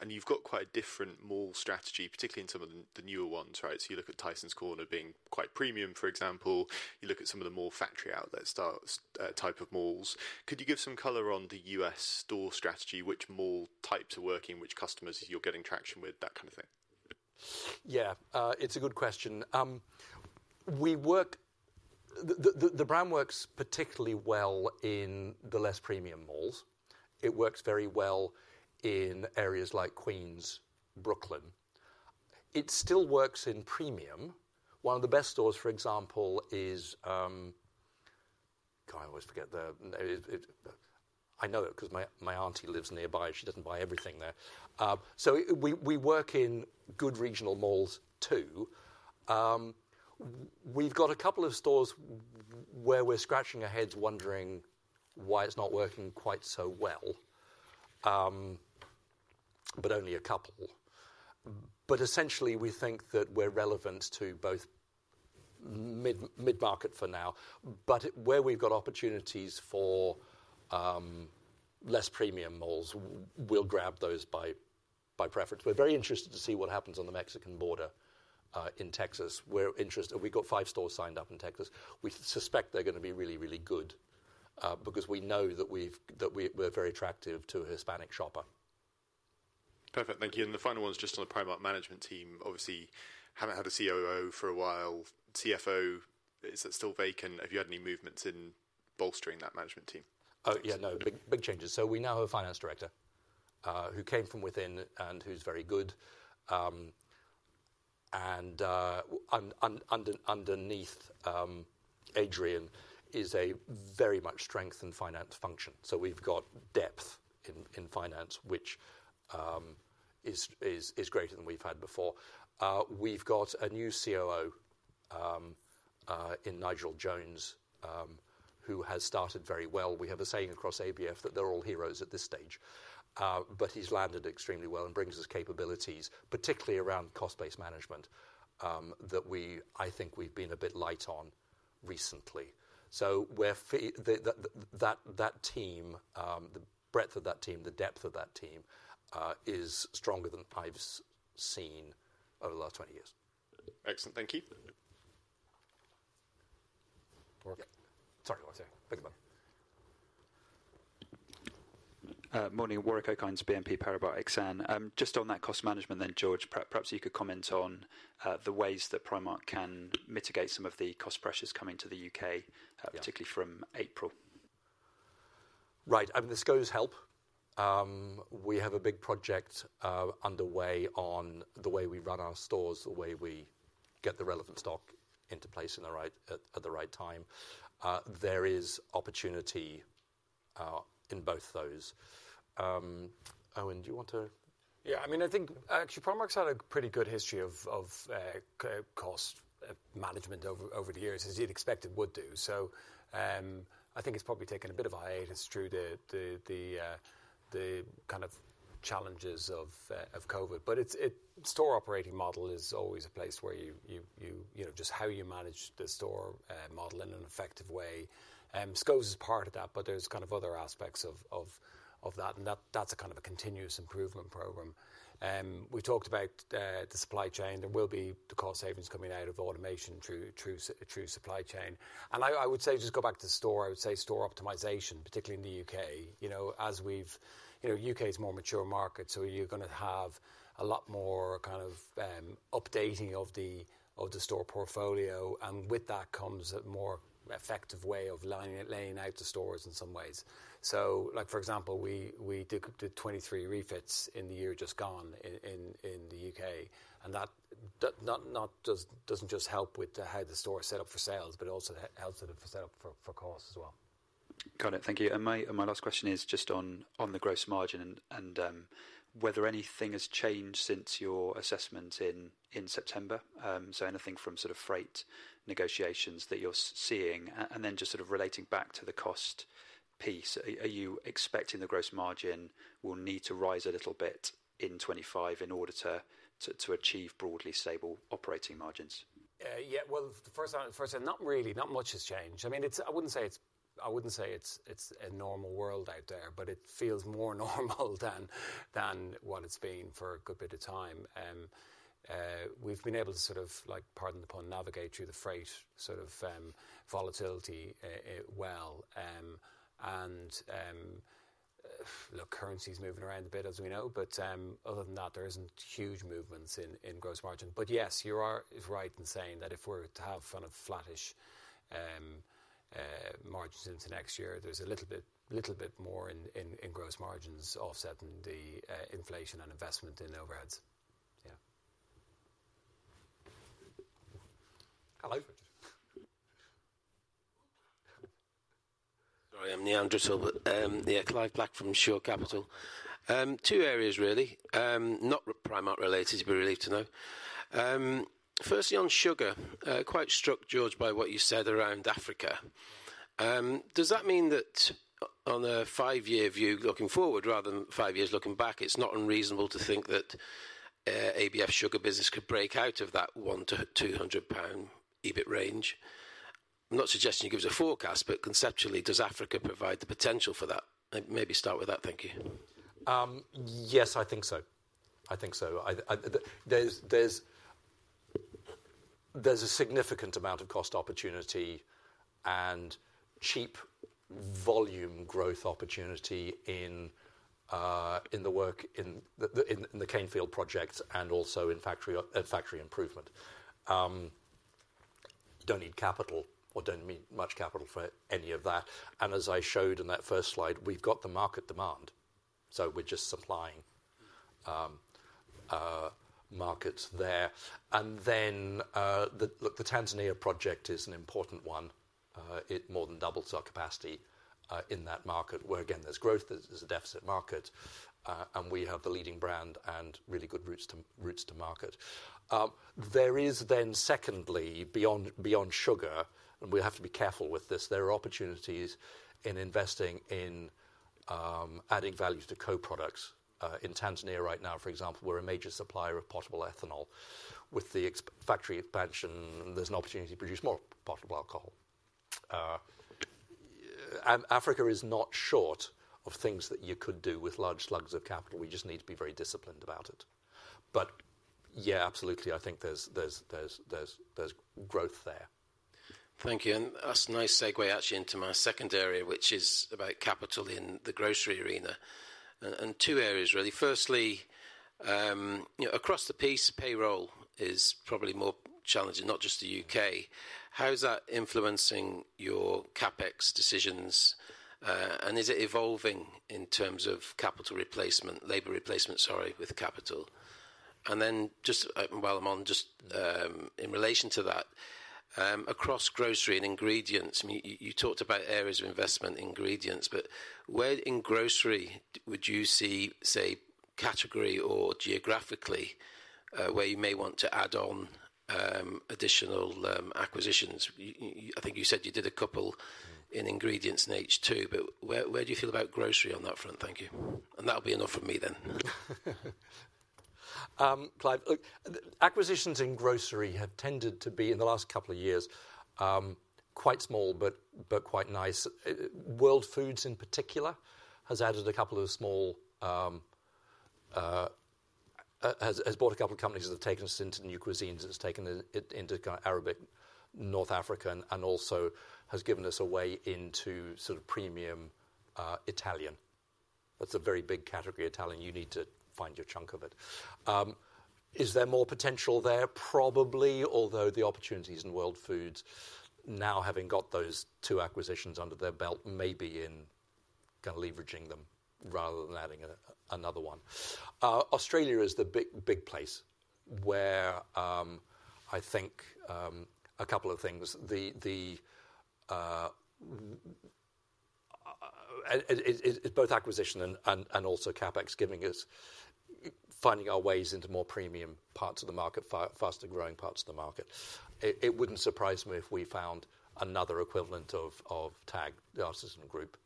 and you've got quite a different mall strategy, particularly in some of the newer ones, right? So you look at Tysons Corner being quite premium, for example. You look at some of the more factory outlet styles, type of malls. Could you give some color on the U.S. store strategy? Which mall types are working? Which customers are you getting traction with? That kind of thing. Yeah. It's a good question. We work. The brand works particularly well in the less premium malls. It works very well in areas like Queens, Brooklyn. It still works in premium. One of the best stores, for example, is. I know it because my auntie lives nearby. She doesn't buy everything there. So we work in good regional malls too. We've got a couple of stores where we're scratching our heads wondering why it's not working quite so well, but only a couple. But essentially, we think that we're relevant to both mid-market for now. But where we've got opportunities for less premium malls, we'll grab those by preference. We're very interested to see what happens on the Mexican border, in Texas. We've got five stores signed up in Texas. We suspect they're going to be really, really good, because we know that we're very attractive to a Hispanic shopper. Perfect. Thank you. And the final one's just on the Primark management team. Obviously, haven't had a COO for a while. CFO, is that still vacant? Have you had any movements in bolstering that management team? Oh, yeah. No. Big, big changes. So we now have a finance director, who came from within and who's very good. And underneath, Adrian is a very much strengthened finance function. So we've got depth in finance, which is greater than we've had before. We've got a new COO, in Nigel Jones, who has started very well. We have a saying across ABF that they're all heroes at this stage. But he's landed extremely well and brings his capabilities, particularly around cost-based management, that we, I think, we've been a bit light on recently. So we feel that team, the breadth of that team, the depth of that team, is stronger than I've seen over the last 20 years. Excellent. Thank you. Sorry. Sorry. Pick up. Morning. Warwick Okines, BNP Paribas Exane. Just on that cost management then, George, perhaps you could comment on the ways that Primark can mitigate some of the cost pressures coming to the U.K., particularly from April? Right. I mean, the SCOs help. We have a big project underway on the way we run our stores, the way we get the relevant stock into place at the right time. There is opportunity in both those. Eoin, do you want to? Yeah. I mean, I think actually Primark's had a pretty good history of cost management over the years, as you'd expect it would do. So, I think it's probably taken a bit of hiatus through the kind of challenges of COVID. But its store operating model is always a place where you know just how you manage the store model in an effective way. Self-checkout is part of that, but there's kind of other aspects of that. And that's a kind of a continuous improvement program. We talked about the supply chain. There will be the cost savings coming out of automation through supply chain. And I would say just go back to the store. I would say store optimization, particularly in the U.K., you know, as we've—you know, U.K. is a more mature market, so you're going to have a lot more kind of updating of the store portfolio. And with that comes a more effective way of laying out the stores in some ways. So, like, for example, we did 23 refits in the year just gone in the U.K. And that does not just help with how the store is set up for sales, but it also helps it for set up for cost as well. Got it. Thank you, and my last question is just on the gross margin and whether anything has changed since your assessment in September, so anything from sort of freight negotiations that you're seeing and then just sort of relating back to the cost piece. Are you expecting the gross margin will need to rise a little bit in 2025 in order to achieve broadly stable operating margins? Yeah. Well, first, not really. Not much has changed. I mean, I wouldn't say it's a normal world out there, but it feels more normal than what it's been for a good bit of time. We've been able to sort of, like, pardon the pun, navigate through the freight sort of volatility, well. And, look, currency's moving around a bit as we know, but other than that, there isn't huge movements in gross margin. But yes, you are right in saying that if we're to have kind of flattish margins into next year, there's a little bit more in gross margins offsetting the inflation and investment in overheads. Yeah. Hello. Sorry. I'm Neanderthal, but yeah, Clive Black from Shore Capital. Two areas really, not Primark related, to be relieved to know. Firstly on sugar, quite struck, George, by what you said around Africa. Does that mean that on a five-year view looking forward, rather than five years looking back, it's not unreasonable to think that ABF Sugar business could break out of that £100-£200 million EBIT range? I'm not suggesting you give us a forecast, but conceptually, does Africa provide the potential for that? Maybe start with that. Thank you. Yes, I think so. I think so. I, there's a significant amount of cost opportunity and cheap volume growth opportunity in the work in the cane field project and also in factory improvement. Don't need capital or don't need much capital for any of that. And as I showed in that first slide, we've got the market demand, so we're just supplying markets there. And then, look, the Tanzania project is an important one. It more than doubled our capacity in that market where, again, there's growth, there's a deficit market, and we have the leading brand and really good routes to market. There is then secondly, beyond sugar, and we have to be careful with this, there are opportunities in investing in adding value to co-products. In Tanzania right now, for example, we're a major supplier of potable ethanol. With the factory expansion, there's an opportunity to produce more potable alcohol, and Africa is not short of things that you could do with large slugs of capital. We just need to be very disciplined about it. But yeah, absolutely, I think there's growth there. Thank you. And that's a nice segue, actually, into my second area, which is about capital in the grocery arena. And two areas really. Firstly, you know, across the piece, payroll is probably more challenging, not just the U.K. How is that influencing your CapEx decisions? And is it evolving in terms of capital replacement, labor replacement, sorry, with capital? And then just while I'm on, just, in relation to that, across grocery and ingredients, I mean, you talked about areas of investment, ingredients, but where in grocery would you see, say, category or geographically, where you may want to add on, additional, acquisitions? You—I think you said you did a couple in ingredients and H2, but where do you feel about grocery on that front? Thank you. And that'll be enough from me then. Clive, look, acquisitions in grocery have tended to be, in the last couple of years, quite small, but quite nice. World Foods in particular has added a couple of small, has bought a couple of companies that have taken us into new cuisines. It's taken it into kind of Arabic, North African, and also has given us a way into sort of premium, Italian. That's a very big category, Italian. You need to find your chunk of it. Is there more potential there? Probably, although the opportunities in World Foods, now having got those two acquisitions under their belt, maybe in kind of leveraging them rather than adding another one. Australia is the big, big place where, I think, a couple of things. It's both acquisition and also CapEx giving us finding our ways into more premium parts of the market, faster growing parts of the market. It wouldn't surprise me if we found another equivalent of TAG, The Artisanal Group,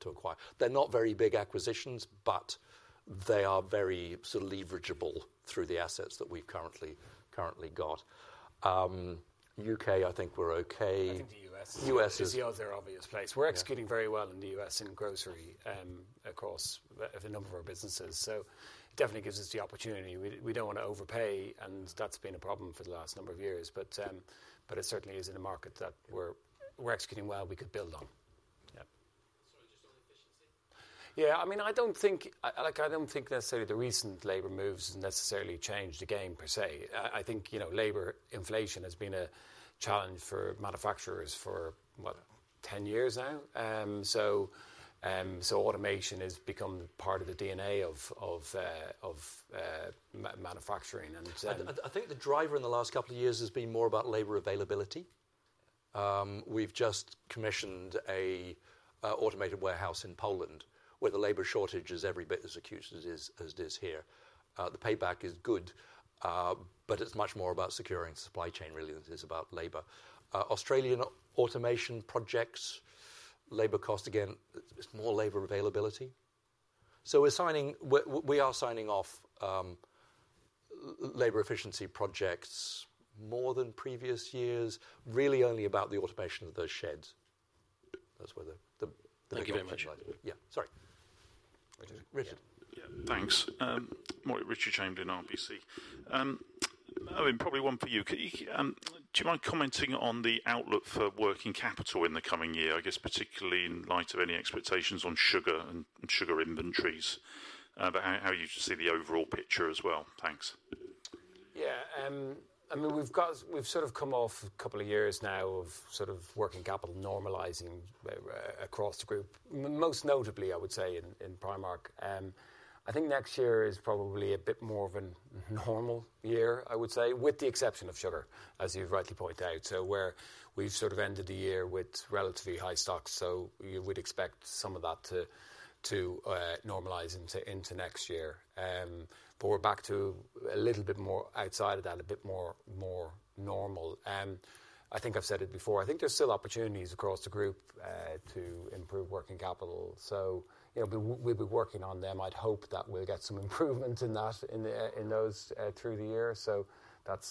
to acquire. They're not very big acquisitions, but they are very sort of leverageable through the assets that we've currently got. U.K., I think we're okay. I think the U.S. is the obvious place. We're executing very well in the U.S. in grocery, across a number of our businesses. So it definitely gives us the opportunity. We don't want to overpay, and that's been a problem for the last number of years. But it certainly is in a market that we're executing well. We could build on. Yeah. Sorry, just on efficiency. Yeah. I mean, I don't think, like, I don't think necessarily the recent labor moves necessarily changed the game per se. I think, you know, labor inflation has been a challenge for manufacturers for, what, 10 years now. So automation has become part of the DNA of manufacturing. And, I think the driver in the last couple of years has been more about labor availability. We've just commissioned an automated warehouse in Poland where the labor shortage is every bit as acute as it is here. The payback is good, but it's much more about securing supply chain really than it is about labor. Australian automation projects, labor cost again, it's more labor availability. So we're signing off labor efficiency projects more than previous years, really only about the automation of those sheds. That's where the. Thank you very much. Yeah. Sorry. Richard. Yeah. Thanks. Morning, Richard Chamberlain, RBC. Eoin, probably one for you. Could you, do you mind commenting on the outlook for working capital in the coming year, I guess, particularly in light of any expectations on sugar and sugar inventories? But how do you just see the overall picture as well? Thanks. Yeah. I mean, we've got. We've sort of come off a couple of years now of sort of working capital normalizing across the group, most notably, I would say, in Primark. I think next year is probably a bit more of a normal year, I would say, with the exception of sugar, as you rightly point out. So where we've sort of ended the year with relatively high stocks, so you would expect some of that to normalize into next year. But we're back to a little bit more normal outside of that. I think I've said it before. I think there's still opportunities across the group to improve working capital. So, you know, we'll be working on them. I'd hope that we'll get some improvement in that, in those, through the year. So that's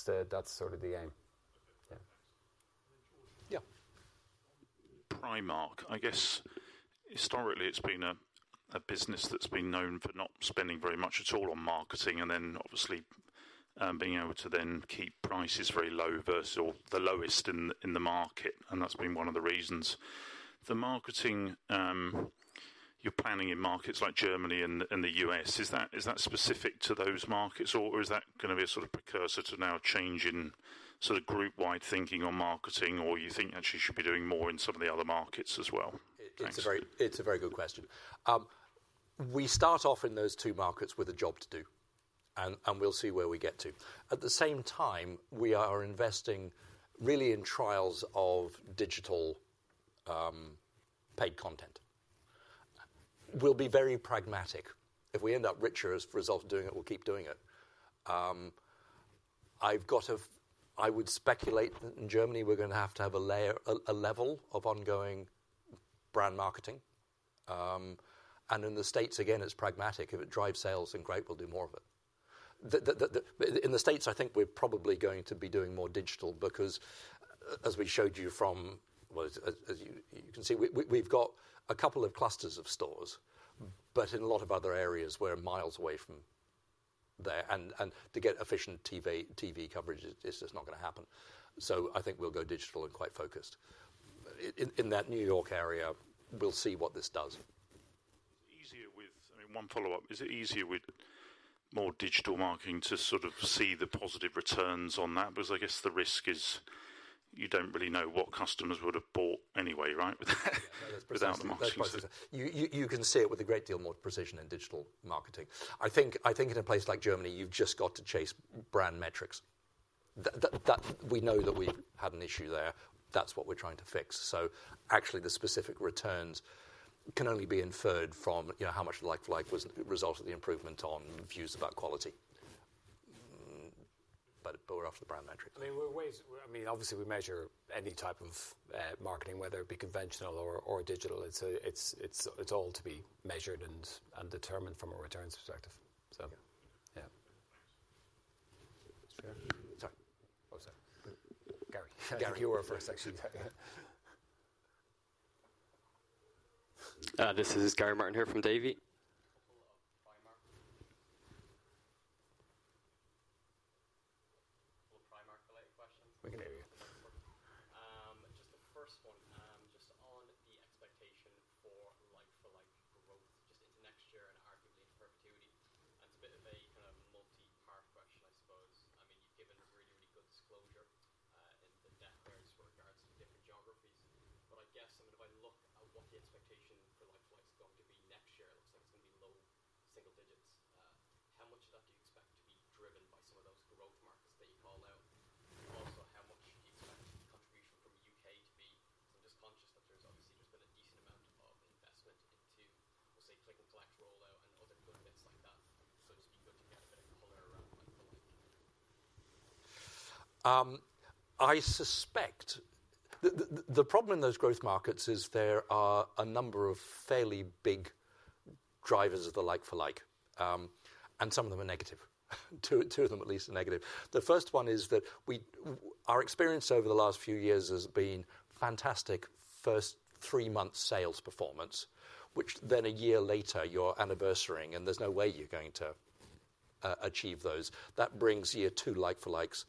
sort of the aim. Yeah. Primark, I guess, historically, it's been a business that's been known for not spending very much at all on marketing and then obviously, being able to then keep prices very low versus the lowest in the market. And that's been one of the reasons. The marketing you're planning in markets like Germany and the U.S. Is that specific to those markets or is that going to be a sort of precursor to now changing sort of group-wide thinking on marketing or you think actually should be doing more in some of the other markets as well? It's a very, it's a very good question. We start off in those two markets with a job to do and, and we'll see where we get to. At the same time, we are investing really in trials of digital, paid content. We'll be very pragmatic. If we end up richer as a result of doing it, we'll keep doing it. I've got to, I would speculate that in Germany we're going to have to have a layer, a level of ongoing brand marketing. And in the States, again, it's pragmatic. If it drives sales, then great, we'll do more of it. In the States, I think we're probably going to be doing more digital because as you can see, we've got a couple of clusters of stores, but in a lot of other areas we're miles away from there. And to get efficient TV coverage is just not going to happen. So I think we'll go digital and quite focused. In that New York area, we'll see what this does. Is it easier with, I mean, one follow-up? Is it easier with more digital marketing to sort of see the positive returns on that? Because I guess the risk is you don't really know what customers would have bought anyway, right? That's precisely. You can see it with a great deal more precision in digital marketing. I think in a place like Germany, you've just got to chase brand metrics. That we know that we've had an issue there. That's what we're trying to fix, so actually the specific returns can only be inferred from, you know, how much like was result of the improvement on views about quality. I suspect the problem in those growth markets is there are a number of fairly big drivers of the like-for-like, and some of them are negative. Two of them at least are negative. The first one is that our experience over the last few years has been fantastic first three months sales performance, which then a year later you're anniversarying and there's no way you're going to achieve those. That brings year two like-for-likes,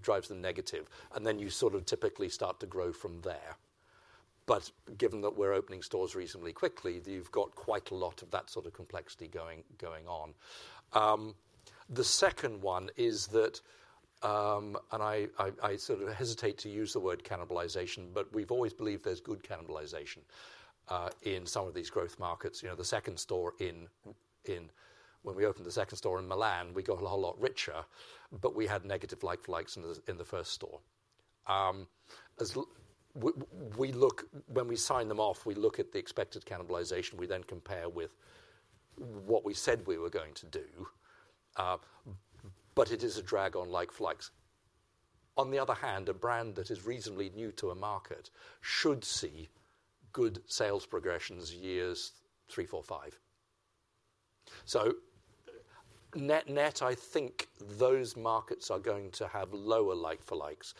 drives the negative, and then you sort of typically start to grow from there. But given that we're opening stores reasonably quickly, you've got quite a lot of that sort of complexity going on. The second one is that I sort of hesitate to use the word cannibalization, but we've always believed there's good cannibalization in some of these growth markets. You know, the second store in when we opened the second store in Milan, we got a whole lot richer, but we had negative like-for-likes in the first store. As we look, when we sign them off, we look at the expected cannibalization. We then compare with what we said we were going to do. But it is a drag on like-for-likes. On the other hand, a brand that is reasonably new to a market should see good sales progressions years three, four, five. So net, I think those markets are going to have lower like-for-likes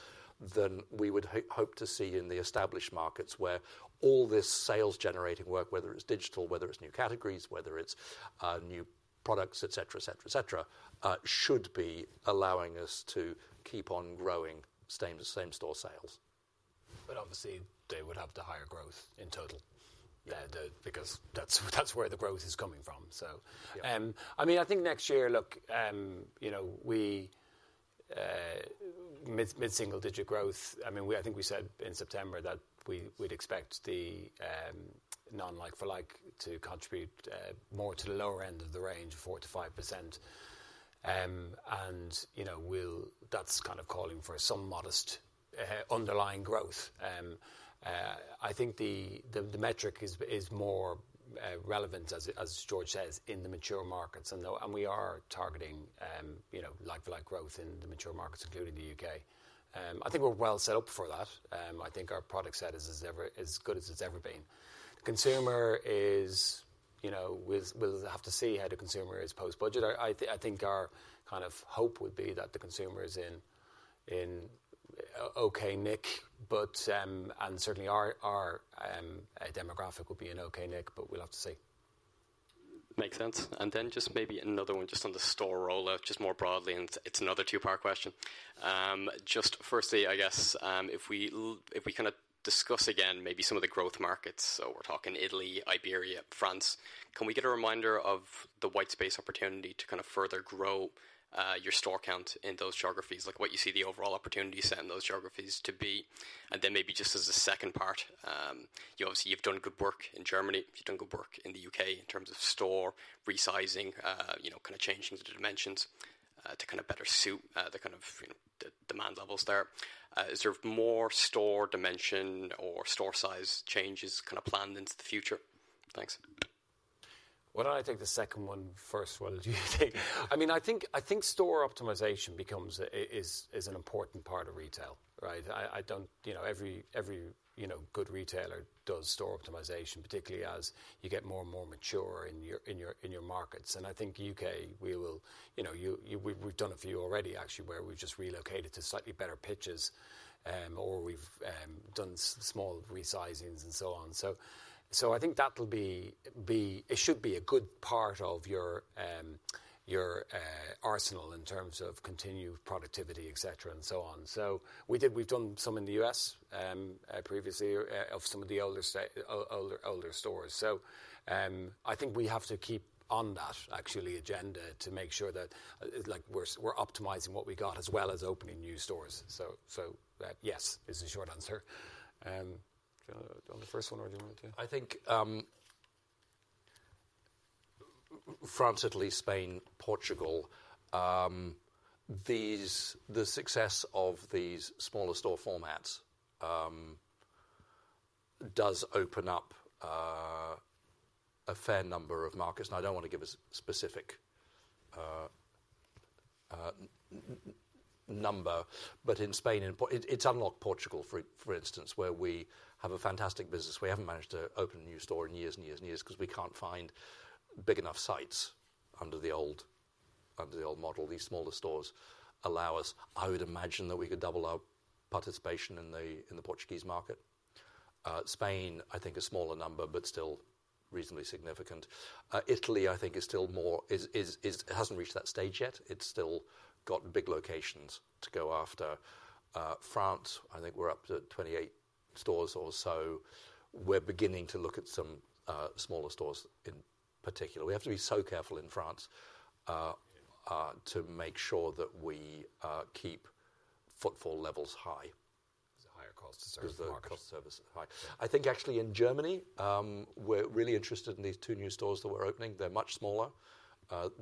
than we would hope to see in the established markets where all this sales-generating work, whether it's digital, whether it's new categories, whether it's new products, etc., etc., etc., should be allowing us to keep on growing same-store sales. But obviously they would have the higher growth in total. Yeah. That because that's where the growth is coming from. So, I mean, I think next year, look, you know, we mid-single digit growth. I mean, we, I think we said in September that we, we'd expect the non-like-for-like to contribute more to the lower end of the range, 4%-5%. And you know, that's kind of calling for some modest underlying growth. I think the metric is more relevant, as George says, in the mature markets. And we are targeting, you know, like-for-like growth in the mature markets, including the U.K. I think we're well set up for that. I think our product set is as ever as good as it's ever been. Consumer is, you know, we'll have to see how the consumer is post-budget. I think our kind of hope would be that the consumer is in okay nick, but and certainly our demographic would be in okay nick, but we'll have to see. Makes sense, and then just maybe another one just on the store rollout, just more broadly. And it's another two-part question. Just firstly, I guess, if we, if we kind of discuss again maybe some of the growth markets, so we're talking Italy, Iberia, France, can we get a reminder of the white space opportunity to kind of further grow your store count in those geographies? Like what you see the overall opportunity set in those geographies to be. And then maybe just as a second part, you obviously you've done good work in Germany, you've done good work in the U.K. in terms of store resizing, you know, kind of changing the dimensions to kind of better suit the kind of, you know, the demand levels there. Is there more store dimension or store size changes kind of planned into the future? Thanks. Why don't I take the second one first? What did you think? I mean, I think store optimization is an important part of retail, right? I don't, you know, every good retailer does store optimization, particularly as you get more and more mature in your markets. And I think U.K., we will, you know, we've done a few already actually where we've just relocated to slightly better pitches, or we've done small resizings and so on. So I think that'll be. It should be a good part of your arsenal in terms of continued productivity, etc., and so on. So we've done some in the U.S., previously, of some of the older stores. So, I think we have to keep on that actually agenda to make sure that, like we're optimizing what we got as well as opening new stores. So, that yes is the short answer on the first one or do you want to? I think France, Italy, Spain, Portugal, these, the success of these smaller store formats does open up a fair number of markets, and I don't want to give a specific number, but in Spain, it's unlocked Portugal, for instance, where we have a fantastic business. We haven't managed to open a new store in years and years and years because we can't find big enough sites under the old, under the old model. These smaller stores allow us. I would imagine that we could double our participation in the Portuguese market. Spain, I think a smaller number, but still reasonably significant. Italy, I think is still more, it hasn't reached that stage yet. It's still got big locations to go after. France, I think we're up to 28 stores or so. We're beginning to look at some smaller stores in particular. We have to be so careful in France, to make sure that we keep footfall levels high. There's a higher cost to service the market. There's a cost to service high. I think actually in Germany, we're really interested in these two new stores that we're opening. They're much smaller.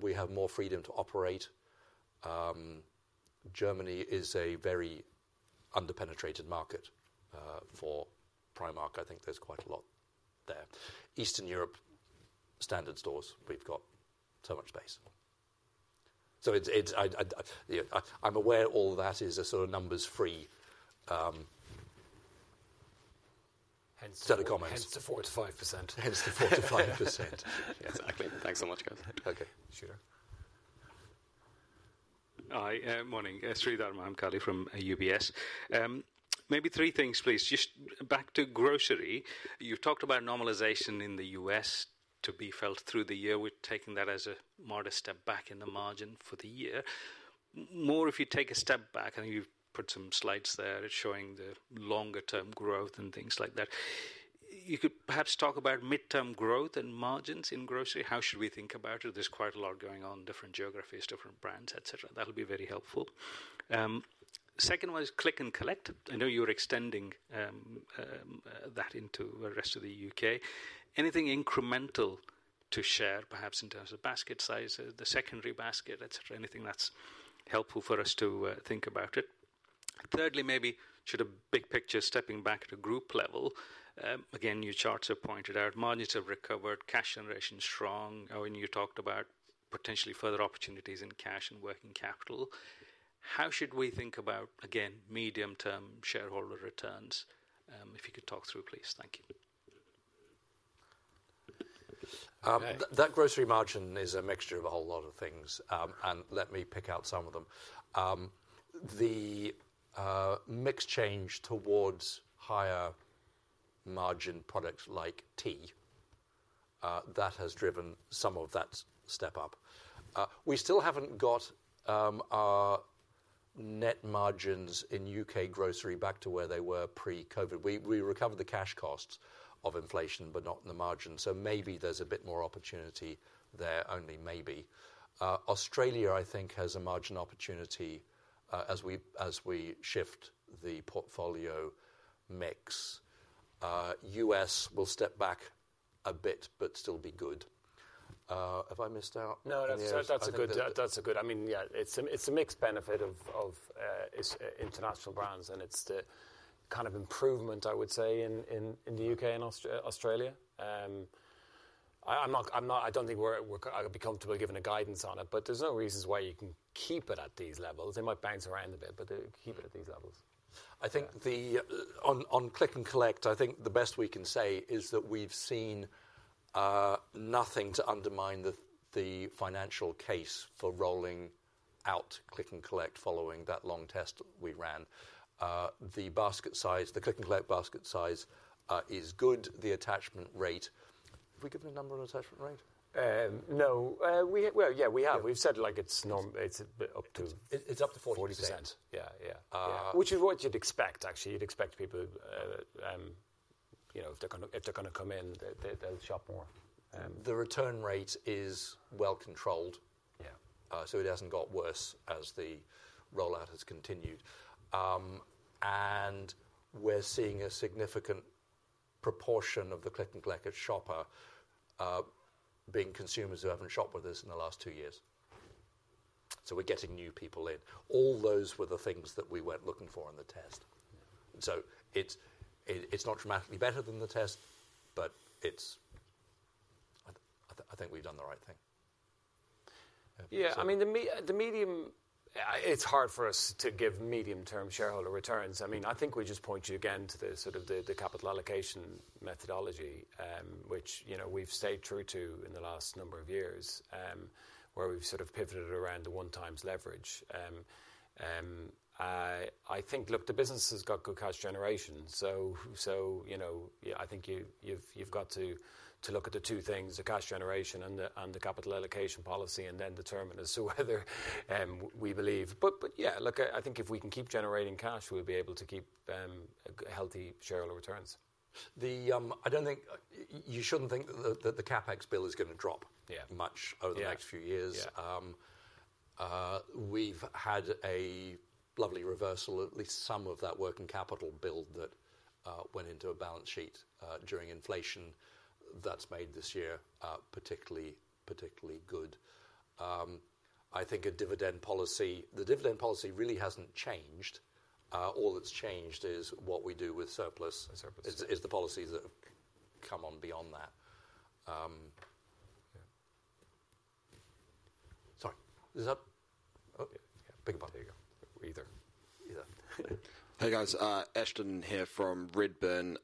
We have more freedom to operate. Germany is a very under-penetrated market for Primark. I think there's quite a lot there. Eastern Europe standard stores, we've got so much space. So it's, I'm aware all of that is a sort of numbers-free set of comments. Hence the 4 to 5%. Hence the 4%-5%. Exactly. Thanks so much, guys. Okay. Sure. Hi, morning. Sreedhar Mahamkali from UBS. Maybe three things, please. Just back to grocery, you've talked about normalization in the U.S. to be felt through the year. We're taking that as a modest step back in the margin for the year. More if you take a step back, I think you've put some slides there showing the longer-term growth and things like that. You could perhaps talk about mid-term growth and margins in grocery. How should we think about it? There's quite a lot going on, different geographies, different brands, etc. That'll be very helpful. Second one is Click & Collect. I know you're extending that into the rest of the U.K. Anything incremental to share, perhaps in terms of basket sizes, the secondary basket, etc.? Anything that's helpful for us to think about it? Thirdly, maybe sort of big picture, stepping back at a group level. Again, new charts are pointed out, margins have recovered, cash generation strong. Oh, and you talked about potentially further opportunities in cash and working capital. How should we think about, again, medium-term shareholder returns? If you could talk through, please. Thank you. That grocery margin is a mixture of a whole lot of things, and let me pick out some of them. The mix change towards higher margin products like tea that has driven some of that step up. We still haven't got our net margins in U.K. grocery back to where they were pre-COVID. We recovered the cash costs of inflation, but not in the margin. So maybe there's a bit more opportunity there, only maybe. Australia, I think, has a margin opportunity, as we shift the portfolio mix. U.S. will step back a bit, but still be good. Have I missed out? No, that's a good, I mean, yeah, it's a mixed benefit of international brands and it's the kind of improvement, I would say, in the U.K. and Australia. I'm not, I don't think we're, I'd be comfortable giving a guidance on it, but there's no reasons why you can keep it at these levels. It might bounce around a bit, but keep it at these levels. I think on Click & Collect, I think the best we can say is that we've seen nothing to undermine the financial case for rolling out Click & Collect following that long test we ran. The basket size, the Click & Collect basket size, is good. The attachment rate, have we given a number on attachment rate? No. We, well, yeah, we have. We've said like it's norm, it's up to 40%. It's up to 40%. Yeah. Yeah. which is what you'd expect actually. You'd expect people, you know, if they're going to come in, they'll shop more. The return rate is well controlled. Yeah. So it hasn't got worse as the rollout has continued. And we're seeing a significant proportion of the Click & Collect shopper, being consumers who haven't shopped with us in the last two years. So we're getting new people in. All those were the things that we weren't looking for in the test. So it's, it's not dramatically better than the test, but it's, I think we've done the right thing. Yeah. I mean, the medium, it's hard for us to give medium-term shareholder returns. I mean, I think we just point you again to the sort of capital allocation methodology, which, you know, we've stayed true to in the last number of years, where we've sort of pivoted around the one-times leverage. I think, look, the business has got good cash generation. So, you know, I think you've got to look at the two things, the cash generation and the capital allocation policy and then determining as to whether we believe. But yeah, look, I think if we can keep generating cash, we'll be able to keep healthy shareholder returns. I don't think you shouldn't think that the CapEx bill is going to drop. Yeah. Much over the next few years. Yeah. We've had a lovely reversal, at least some of that working capital bill that went into a balance sheet during inflation that's made this year particularly, particularly good. I think a dividend policy, the dividend policy really hasn't changed. All that's changed is what we do with surplus. Surplus. Is the policies that have come on beyond that. Sorry, is that? Oh, yeah, pick up. There you go. Either. Either. Hey guys, Ashton here from Redburn.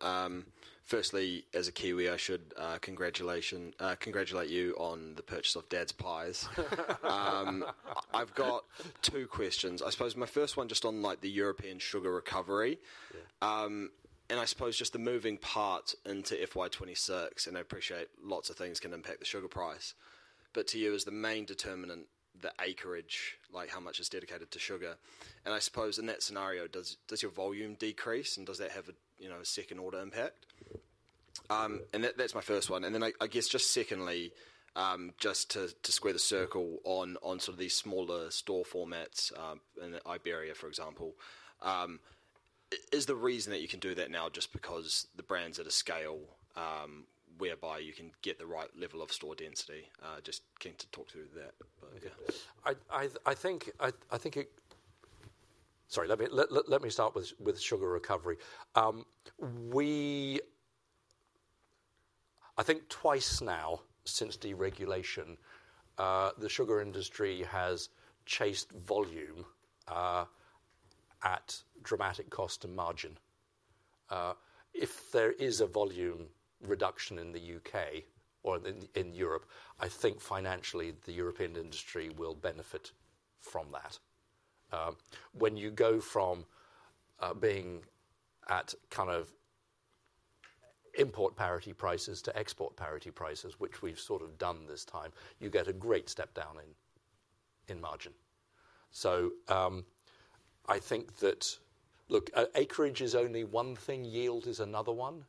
Firstly, as a Kiwi, I should congratulate you on the purchase of Dad's Pies. I've got two questions. I suppose my first one just on like the European Sugar recovery. And I suppose just the moving part into FY26, and I appreciate lots of things can impact the sugar price, but to you as the main determinant, the acreage, like how much is dedicated to sugar. And I suppose in that scenario, does your volume decrease and does that have a, you know, a second order impact? And that's my first one. Then I guess just secondly, just to square the circle on sort of these smaller store formats, in Iberia, for example, is the reason that you can do that now just because the brands at a scale, whereby you can get the right level of store density? Just keen to talk through that. I think, sorry, let me start with sugar recovery. I think twice now since deregulation, the sugar industry has chased volume at dramatic cost and margin. If there is a volume reduction in the U.K. or in Europe, I think financially the European industry will benefit from that. When you go from being at kind of import parity prices to export parity prices, which we've sort of done this time, you get a great step down in margin, so I think that look, acreage is only one thing, yield is another one.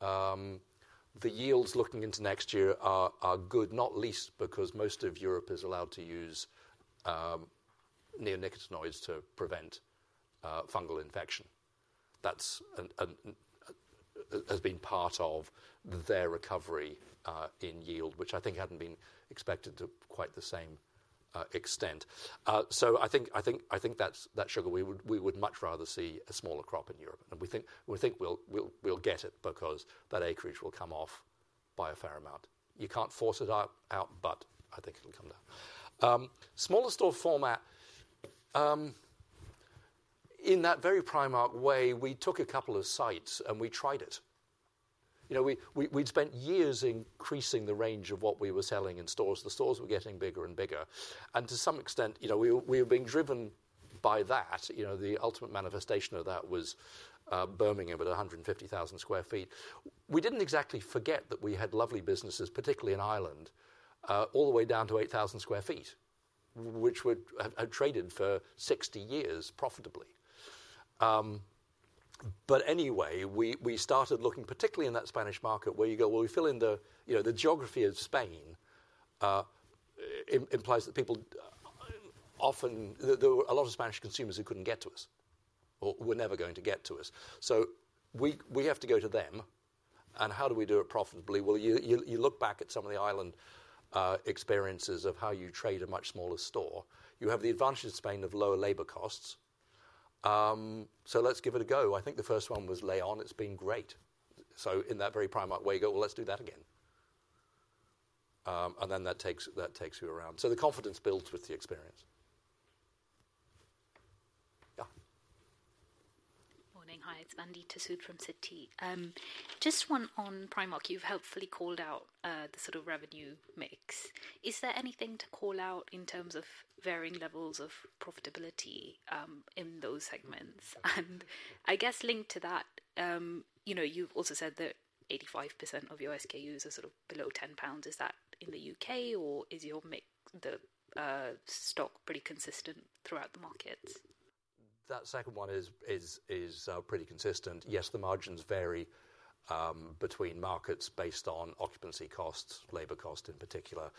The yields looking into next year are good, not least because most of Europe is allowed to use neonicotinoids to prevent fungal infection. That's and has been part of their recovery in yield, which I think hadn't been expected to quite the same extent. So I think that's the sugar we would much rather see a smaller crop in Europe. And we think we'll get it because that acreage will come off by a fair amount. You can't force it out, but I think it'll come down. Smaller store format, in that very Primark way, we took a couple of sites and we tried it. You know, we'd spent years increasing the range of what we were selling in stores. The stores were getting bigger and bigger. And to some extent, you know, we were being driven by that. You know, the ultimate manifestation of that was Birmingham at 150,000 sq ft. We didn't exactly forget that we had lovely businesses, particularly in Ireland, all the way down to 8,000 sq ft, which would have traded for 60 years profitably, but anyway, we started looking particularly in that Spanish market where you go, well, we fill in the, you know, the geography of Spain, implies that people often, there were a lot of Spanish consumers who couldn't get to us or were never going to get to us, so we have to go to them and how do we do it profitably? Well, you look back at some of the Ireland experiences of how you trade a much smaller store. You have the advantage of Spain of lower labor costs, so let's give it a go. I think the first one was León. It's been great. So in that very Primark way, you go, well, let's do that again. And then that takes you around. So the confidence builds with the experience. Yeah. Morning. Hi, it's Mandy Testut from Citi. Just one on Primark. You've helpfully called out the sort of revenue mix. Is there anything to call out in terms of varying levels of profitability in those segments? And I guess linked to that, you know, you've also said that 85% of your SKUs are sort of below 10 pounds. Is that in the U.K. or is your mix, stock pretty consistent throughout the markets? That second one is pretty consistent. Yes, the margins vary between markets based on occupancy costs, labor costs in particular,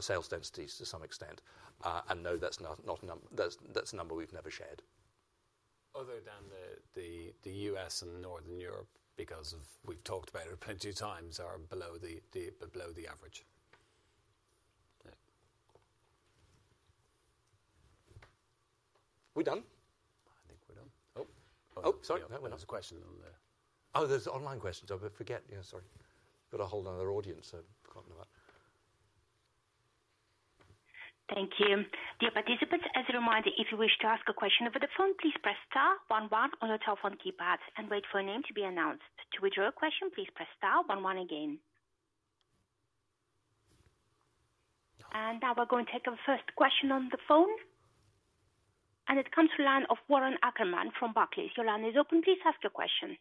sales densities to some extent, and no, that's not a number, that's a number we've never shared. Although the U.S. and Northern Europe, because of, we've talked about it plenty of times, are below the average. We're done. I think we're done. Oh, sorry. That was a question on the. Oh, there's online questions. I forget, yeah, sorry. Got a whole other audience, so I've forgotten about. Thank you. Dear participants, as a reminder, if you wish to ask a question over the phone, please press star one one on your telephone keypad and wait for a name to be announced. To withdraw a question, please press star one one again. And now we're going to take our first question on the phone. And it comes from the line of Warren Ackerman from Barclays. Your line is open. Please ask your question.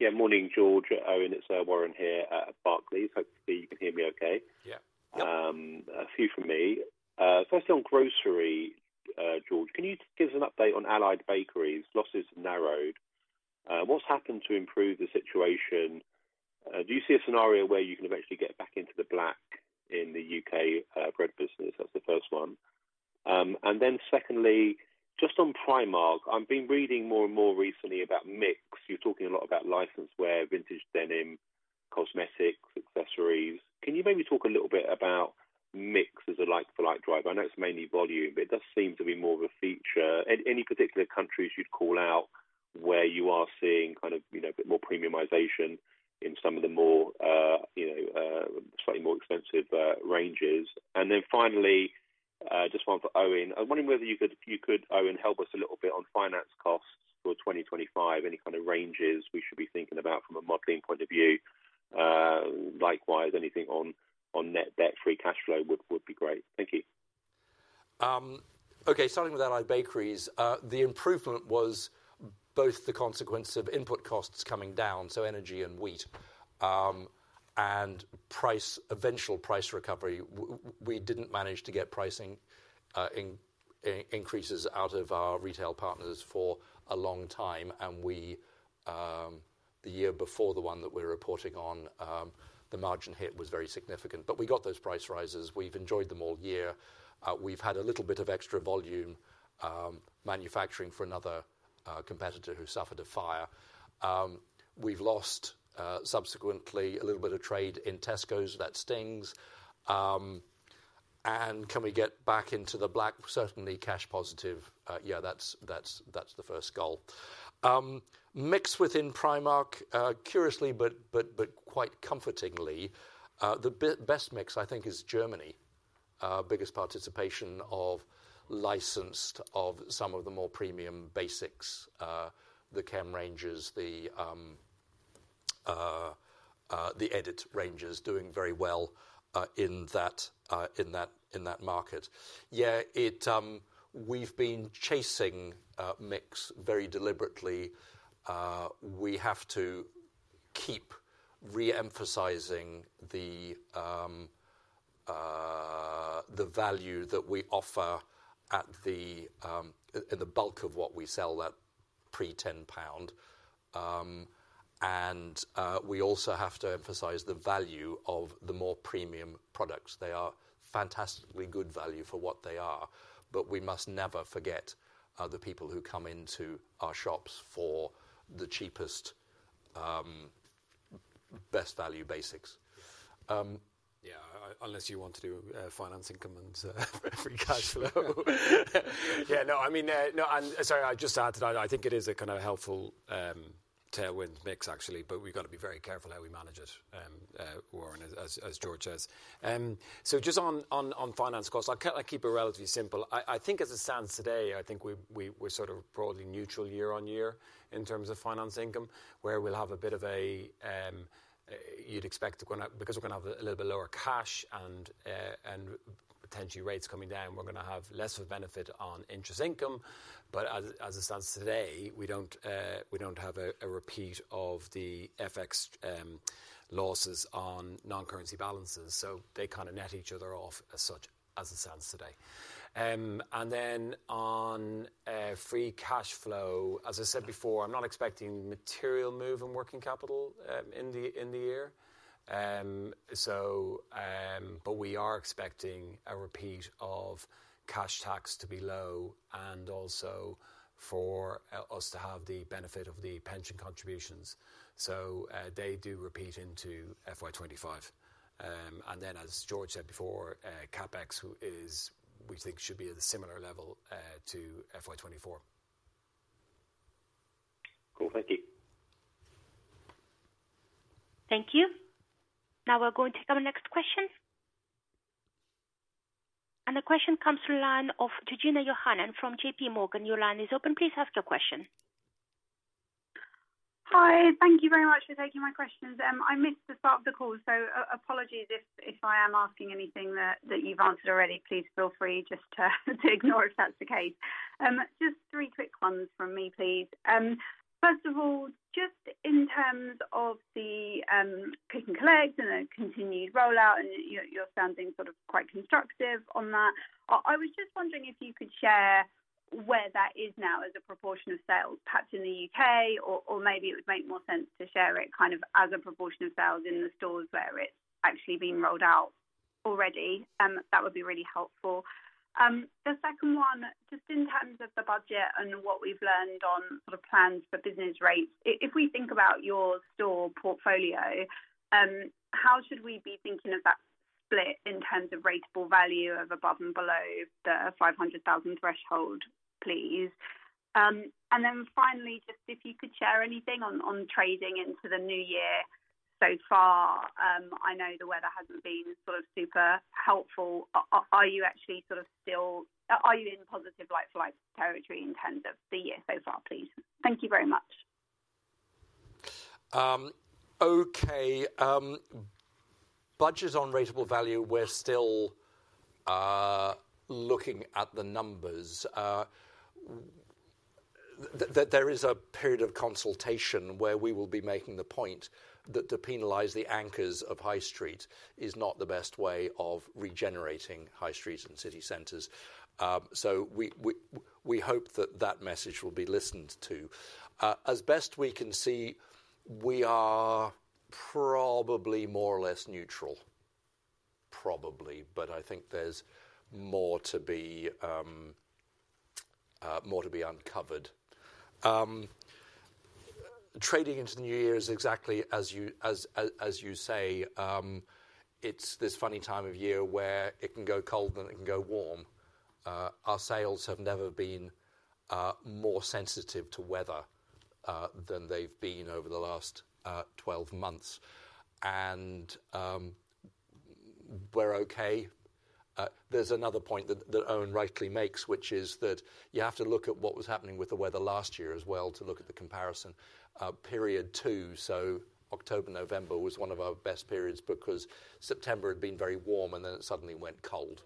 Yeah. Morning, George. Eoin, it's Warren here at Barclays. Hopefully you can hear me okay. Yeah. A few from me. First on grocery, George, can you give us an update on Allied Bakeries? Losses narrowed. What's happened to improve the situation? Do you see a scenario where you can eventually get back into the black in the U.K. bread business? That's the first one. And then secondly, just on Primark, I've been reading more and more recently about mix. You're talking a lot about licensed wear, vintage denim, cosmetics, accessories. Can you maybe talk a little bit about mix as a like-for-like driver? I know it's mainly volume, but it does seem to be more of a feature. Any particular countries you'd call out where you are seeing kind of, you know, a bit more premiumization in some of the more, you know, slightly more expensive ranges? And then finally, just one for Eoin. I'm wondering whether you could, Eoin, help us a little bit on finance costs for 2025, any kind of ranges we should be thinking about from a modeling point of view? Likewise, anything on net debt, free cash flow would be great. Thank you. Okay. Starting with Allied Bakeries, the improvement was both the consequence of input costs coming down, so energy and wheat, and price, eventual price recovery. We didn't manage to get pricing in increases out of our retail partners for a long time. And the year before the one that we're reporting on, the margin hit was very significant, but we got those price rises. We've enjoyed them all year. We've had a little bit of extra volume, manufacturing for another competitor who suffered a fire. We've lost subsequently a little bit of trade in Tesco's, that stings. And can we get back into the black? Certainly cash positive. Yeah, that's the first goal. Mix within Primark, curiously, but quite comfortingly, the best mix I think is Germany, biggest participation of licensed of some of the more premium basics, the denim ranges, the Edit ranges doing very well, in that market. Yeah, we've been chasing mix very deliberately. We have to keep reemphasizing the value that we offer in the bulk of what we sell that pre-10 pound. And we also have to emphasize the value of the more premium products. They are fantastically good value for what they are, but we must never forget the people who come into our shops for the cheapest, best value basics. Yeah. Unless you want to do finance income and free cash flow. Yeah. No, I mean, no, and sorry, I just added I think it is a kind of helpful tailwind mix actually, but we've got to be very careful how we manage it, Warren, as George says. So just on finance costs, I'll keep it relatively simple. I think as it stands today, I think we're sort of broadly neutral year-on-year in terms of finance income where we'll have a bit of a, you'd expect to go now because we're going to have a little bit lower cash and potentially rates coming down, we're going to have less of a benefit on interest income. But as it stands today, we don't have a repeat of the FX losses on non-currency balances. So they kind of net each other off as such as it stands today. And then on free cash flow, as I said before, I'm not expecting material move in working capital in the year. So, but we are expecting a repeat of cash tax to be low and also for us to have the benefit of the pension contributions. So, they do repeat into FY25. And then as George said before, CapEx we think should be at a similar level to FY24. Cool. Thank you. Thank you. Now we're going to take our next question. And the question comes from the line of Georgina Johanan from J.P. Morgan. Your line is open. Please ask your question. Hi. Thank you very much for taking my questions. I missed the start of the call, so apologies if I am asking anything that you've answered already, please feel free just to ignore if that's the case. Just three quick ones from me, please. First of all, just in terms of the Click & Collect and the continued rollout and you're sounding sort of quite constructive on that. I was just wondering if you could share where that is now as a proportion of sales, perhaps in the U.K. or maybe it would make more sense to share it kind of as a proportion of sales in the stores where it's actually being rolled out already. That would be really helpful. The second one, just in terms of the budget and what we've learned on sort of plans for business rates, if we think about your store portfolio, how should we be thinking of that split in terms of rateable value of above and below the 500,000 threshold, please? And then finally, just if you could share anything on trading into the new year so far. I know the weather hasn't been sort of super helpful. Are you actually sort of still in positive like-for-like territory in terms of the year so far, please? Thank you very much. Okay. Budgets on Ratable Value, we're still looking at the numbers. There is a period of consultation where we will be making the point that to penalize the anchors of high street is not the best way of regenerating high streets and city centers. So we hope that message will be listened to. As best we can see, we are probably more or less neutral. Probably. But I think there's more to be uncovered. Trading into the new year is exactly as you say. It's this funny time of year where it can go cold and it can go warm. Our sales have never been more sensitive to weather than they've been over the last 12 months. We're okay. There's another point that Eoin rightly makes, which is that you have to look at what was happening with the weather last year as well to look at the comparison period too. So October, November was one of our best periods because September had been very warm and then it suddenly went cold.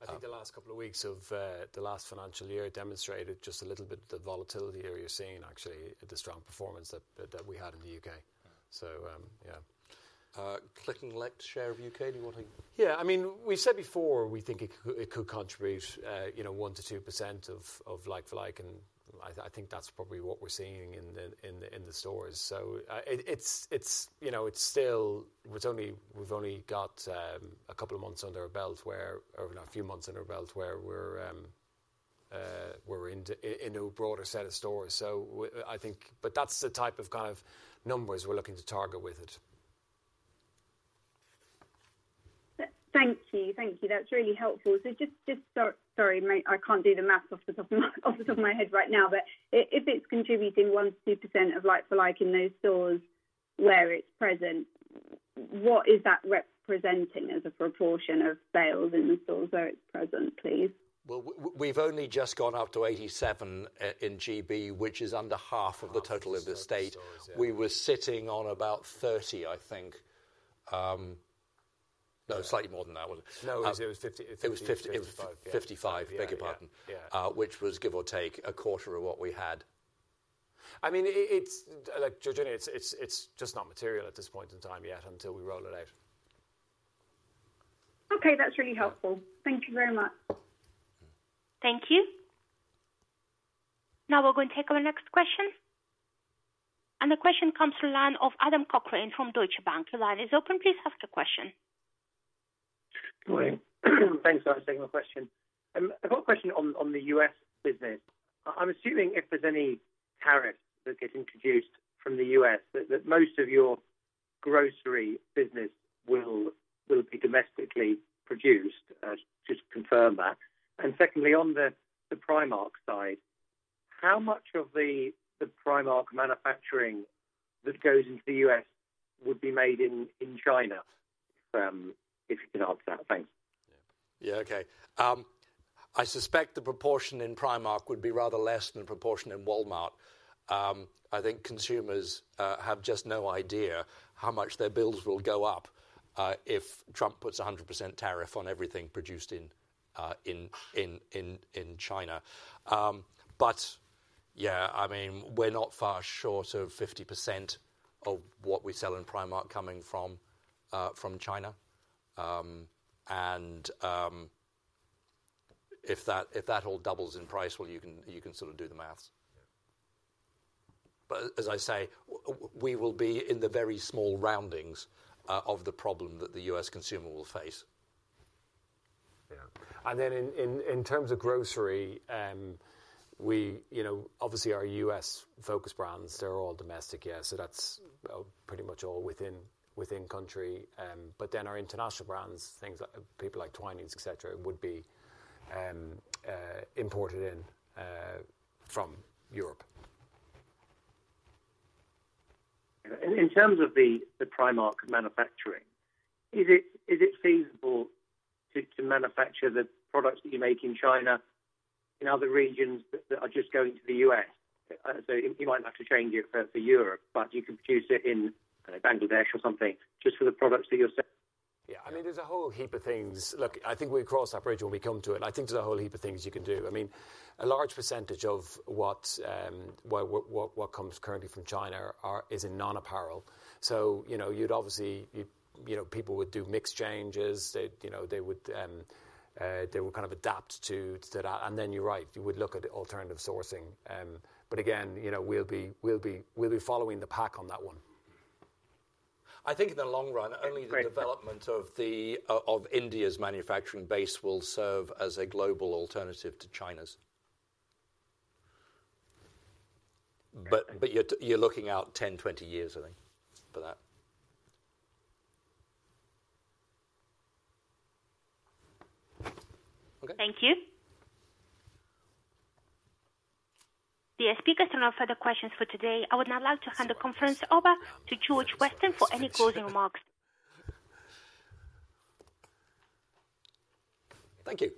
I think the last couple of weeks of the last financial year demonstrated just a little bit of the volatility here you're seeing actually, the strong performance that we had in the U.K. So, yeah. Click & Collect share of U.K., do you want to? Yeah. I mean, we said before we think it could contribute, you know, 1%-2% of like-for-like and I think that's probably what we're seeing in the stores. So, it's, you know, it's still. We've only got a couple of months under our belt or a few months under our belt where we're into in a broader set of stores. So I think but that's the type of kind of numbers we're looking to target with it. Thank you. Thank you. That's really helpful. So just sorry, mate, I can't do the math off the top of my head right now, but if it's contributing 1%-2% of like-for-like in those stores where it's present, what is that representing as a proportion of sales in the stores where it's present, please? We, we've only just gone up to 87 in GB, which is under half of the total of the state. We were sitting on about 30, I think. No, slightly more than that was. No, it was 50. It was 50. It was 55. 55. Yeah. 55. Yeah. Beg your pardon. Yeah. which was, give or take, a quarter of what we had. I mean, it's, like, Georgina, it's just not material at this point in time yet until we roll it out. Okay. That's really helpful. Thank you very much. Thank you. Now we're going to take our next question. And the question comes from the line of Adam Cochrane from Deutsche Bank. Your line is open. Please ask your question. Good morning. Thanks for taking my question. I've got a question on the U.S. business. I'm assuming if there's any tariffs that get introduced from the U.S., that most of your grocery business will be domestically produced, just to confirm that. And secondly, on the Primark side, how much of the Primark manufacturing that goes into the U.S. would be made in China? If you can answer that. Thanks. Yeah. Yeah. Okay. I suspect the proportion in Primark would be rather less than the proportion in Walmart. I think consumers have just no idea how much their bills will go up, if Trump puts a 100% tariff on everything produced in China. But yeah, I mean, we're not far short of 50% of what we sell in Primark coming from China. And if that all doubles in price, well, you can sort of do the math. But as I say, we will be in the very small roundings of the problem that the U.S. consumer will face. Yeah, and then in terms of grocery, we, you know, obviously our US-focused brands, they're all domestic, yeah. So that's pretty much all within country. But then our international brands, things like people like Twinings, etc., would be imported in from Europe. In terms of the Primark manufacturing, is it feasible to manufacture the products that you make in China in other regions that are just going to the U.S.? So you might have to change it for Europe, but you can produce it in, I don't know, Bangladesh or something just for the products that you're selling? Yeah. I mean, there's a whole heap of things. Look, I think we cross that bridge when we come to it, and I think there's a whole heap of things you can do. I mean, a large percentage of what comes currently from China is in non-apparel. So, you know, you'd obviously, you know, people would do mixed changes. You know, they would kind of adapt to that. And then you're right, you would look at alternative sourcing, but again, you know, we'll be following the pack on that one. I think in the long run, only the development of India's manufacturing base will serve as a global alternative to China's. But you're looking out 10, 20 years, I think, for that. Okay. Thank you. There are no further questions for today. I would now like to hand the conference over to George Weston for any closing remarks. Thank you.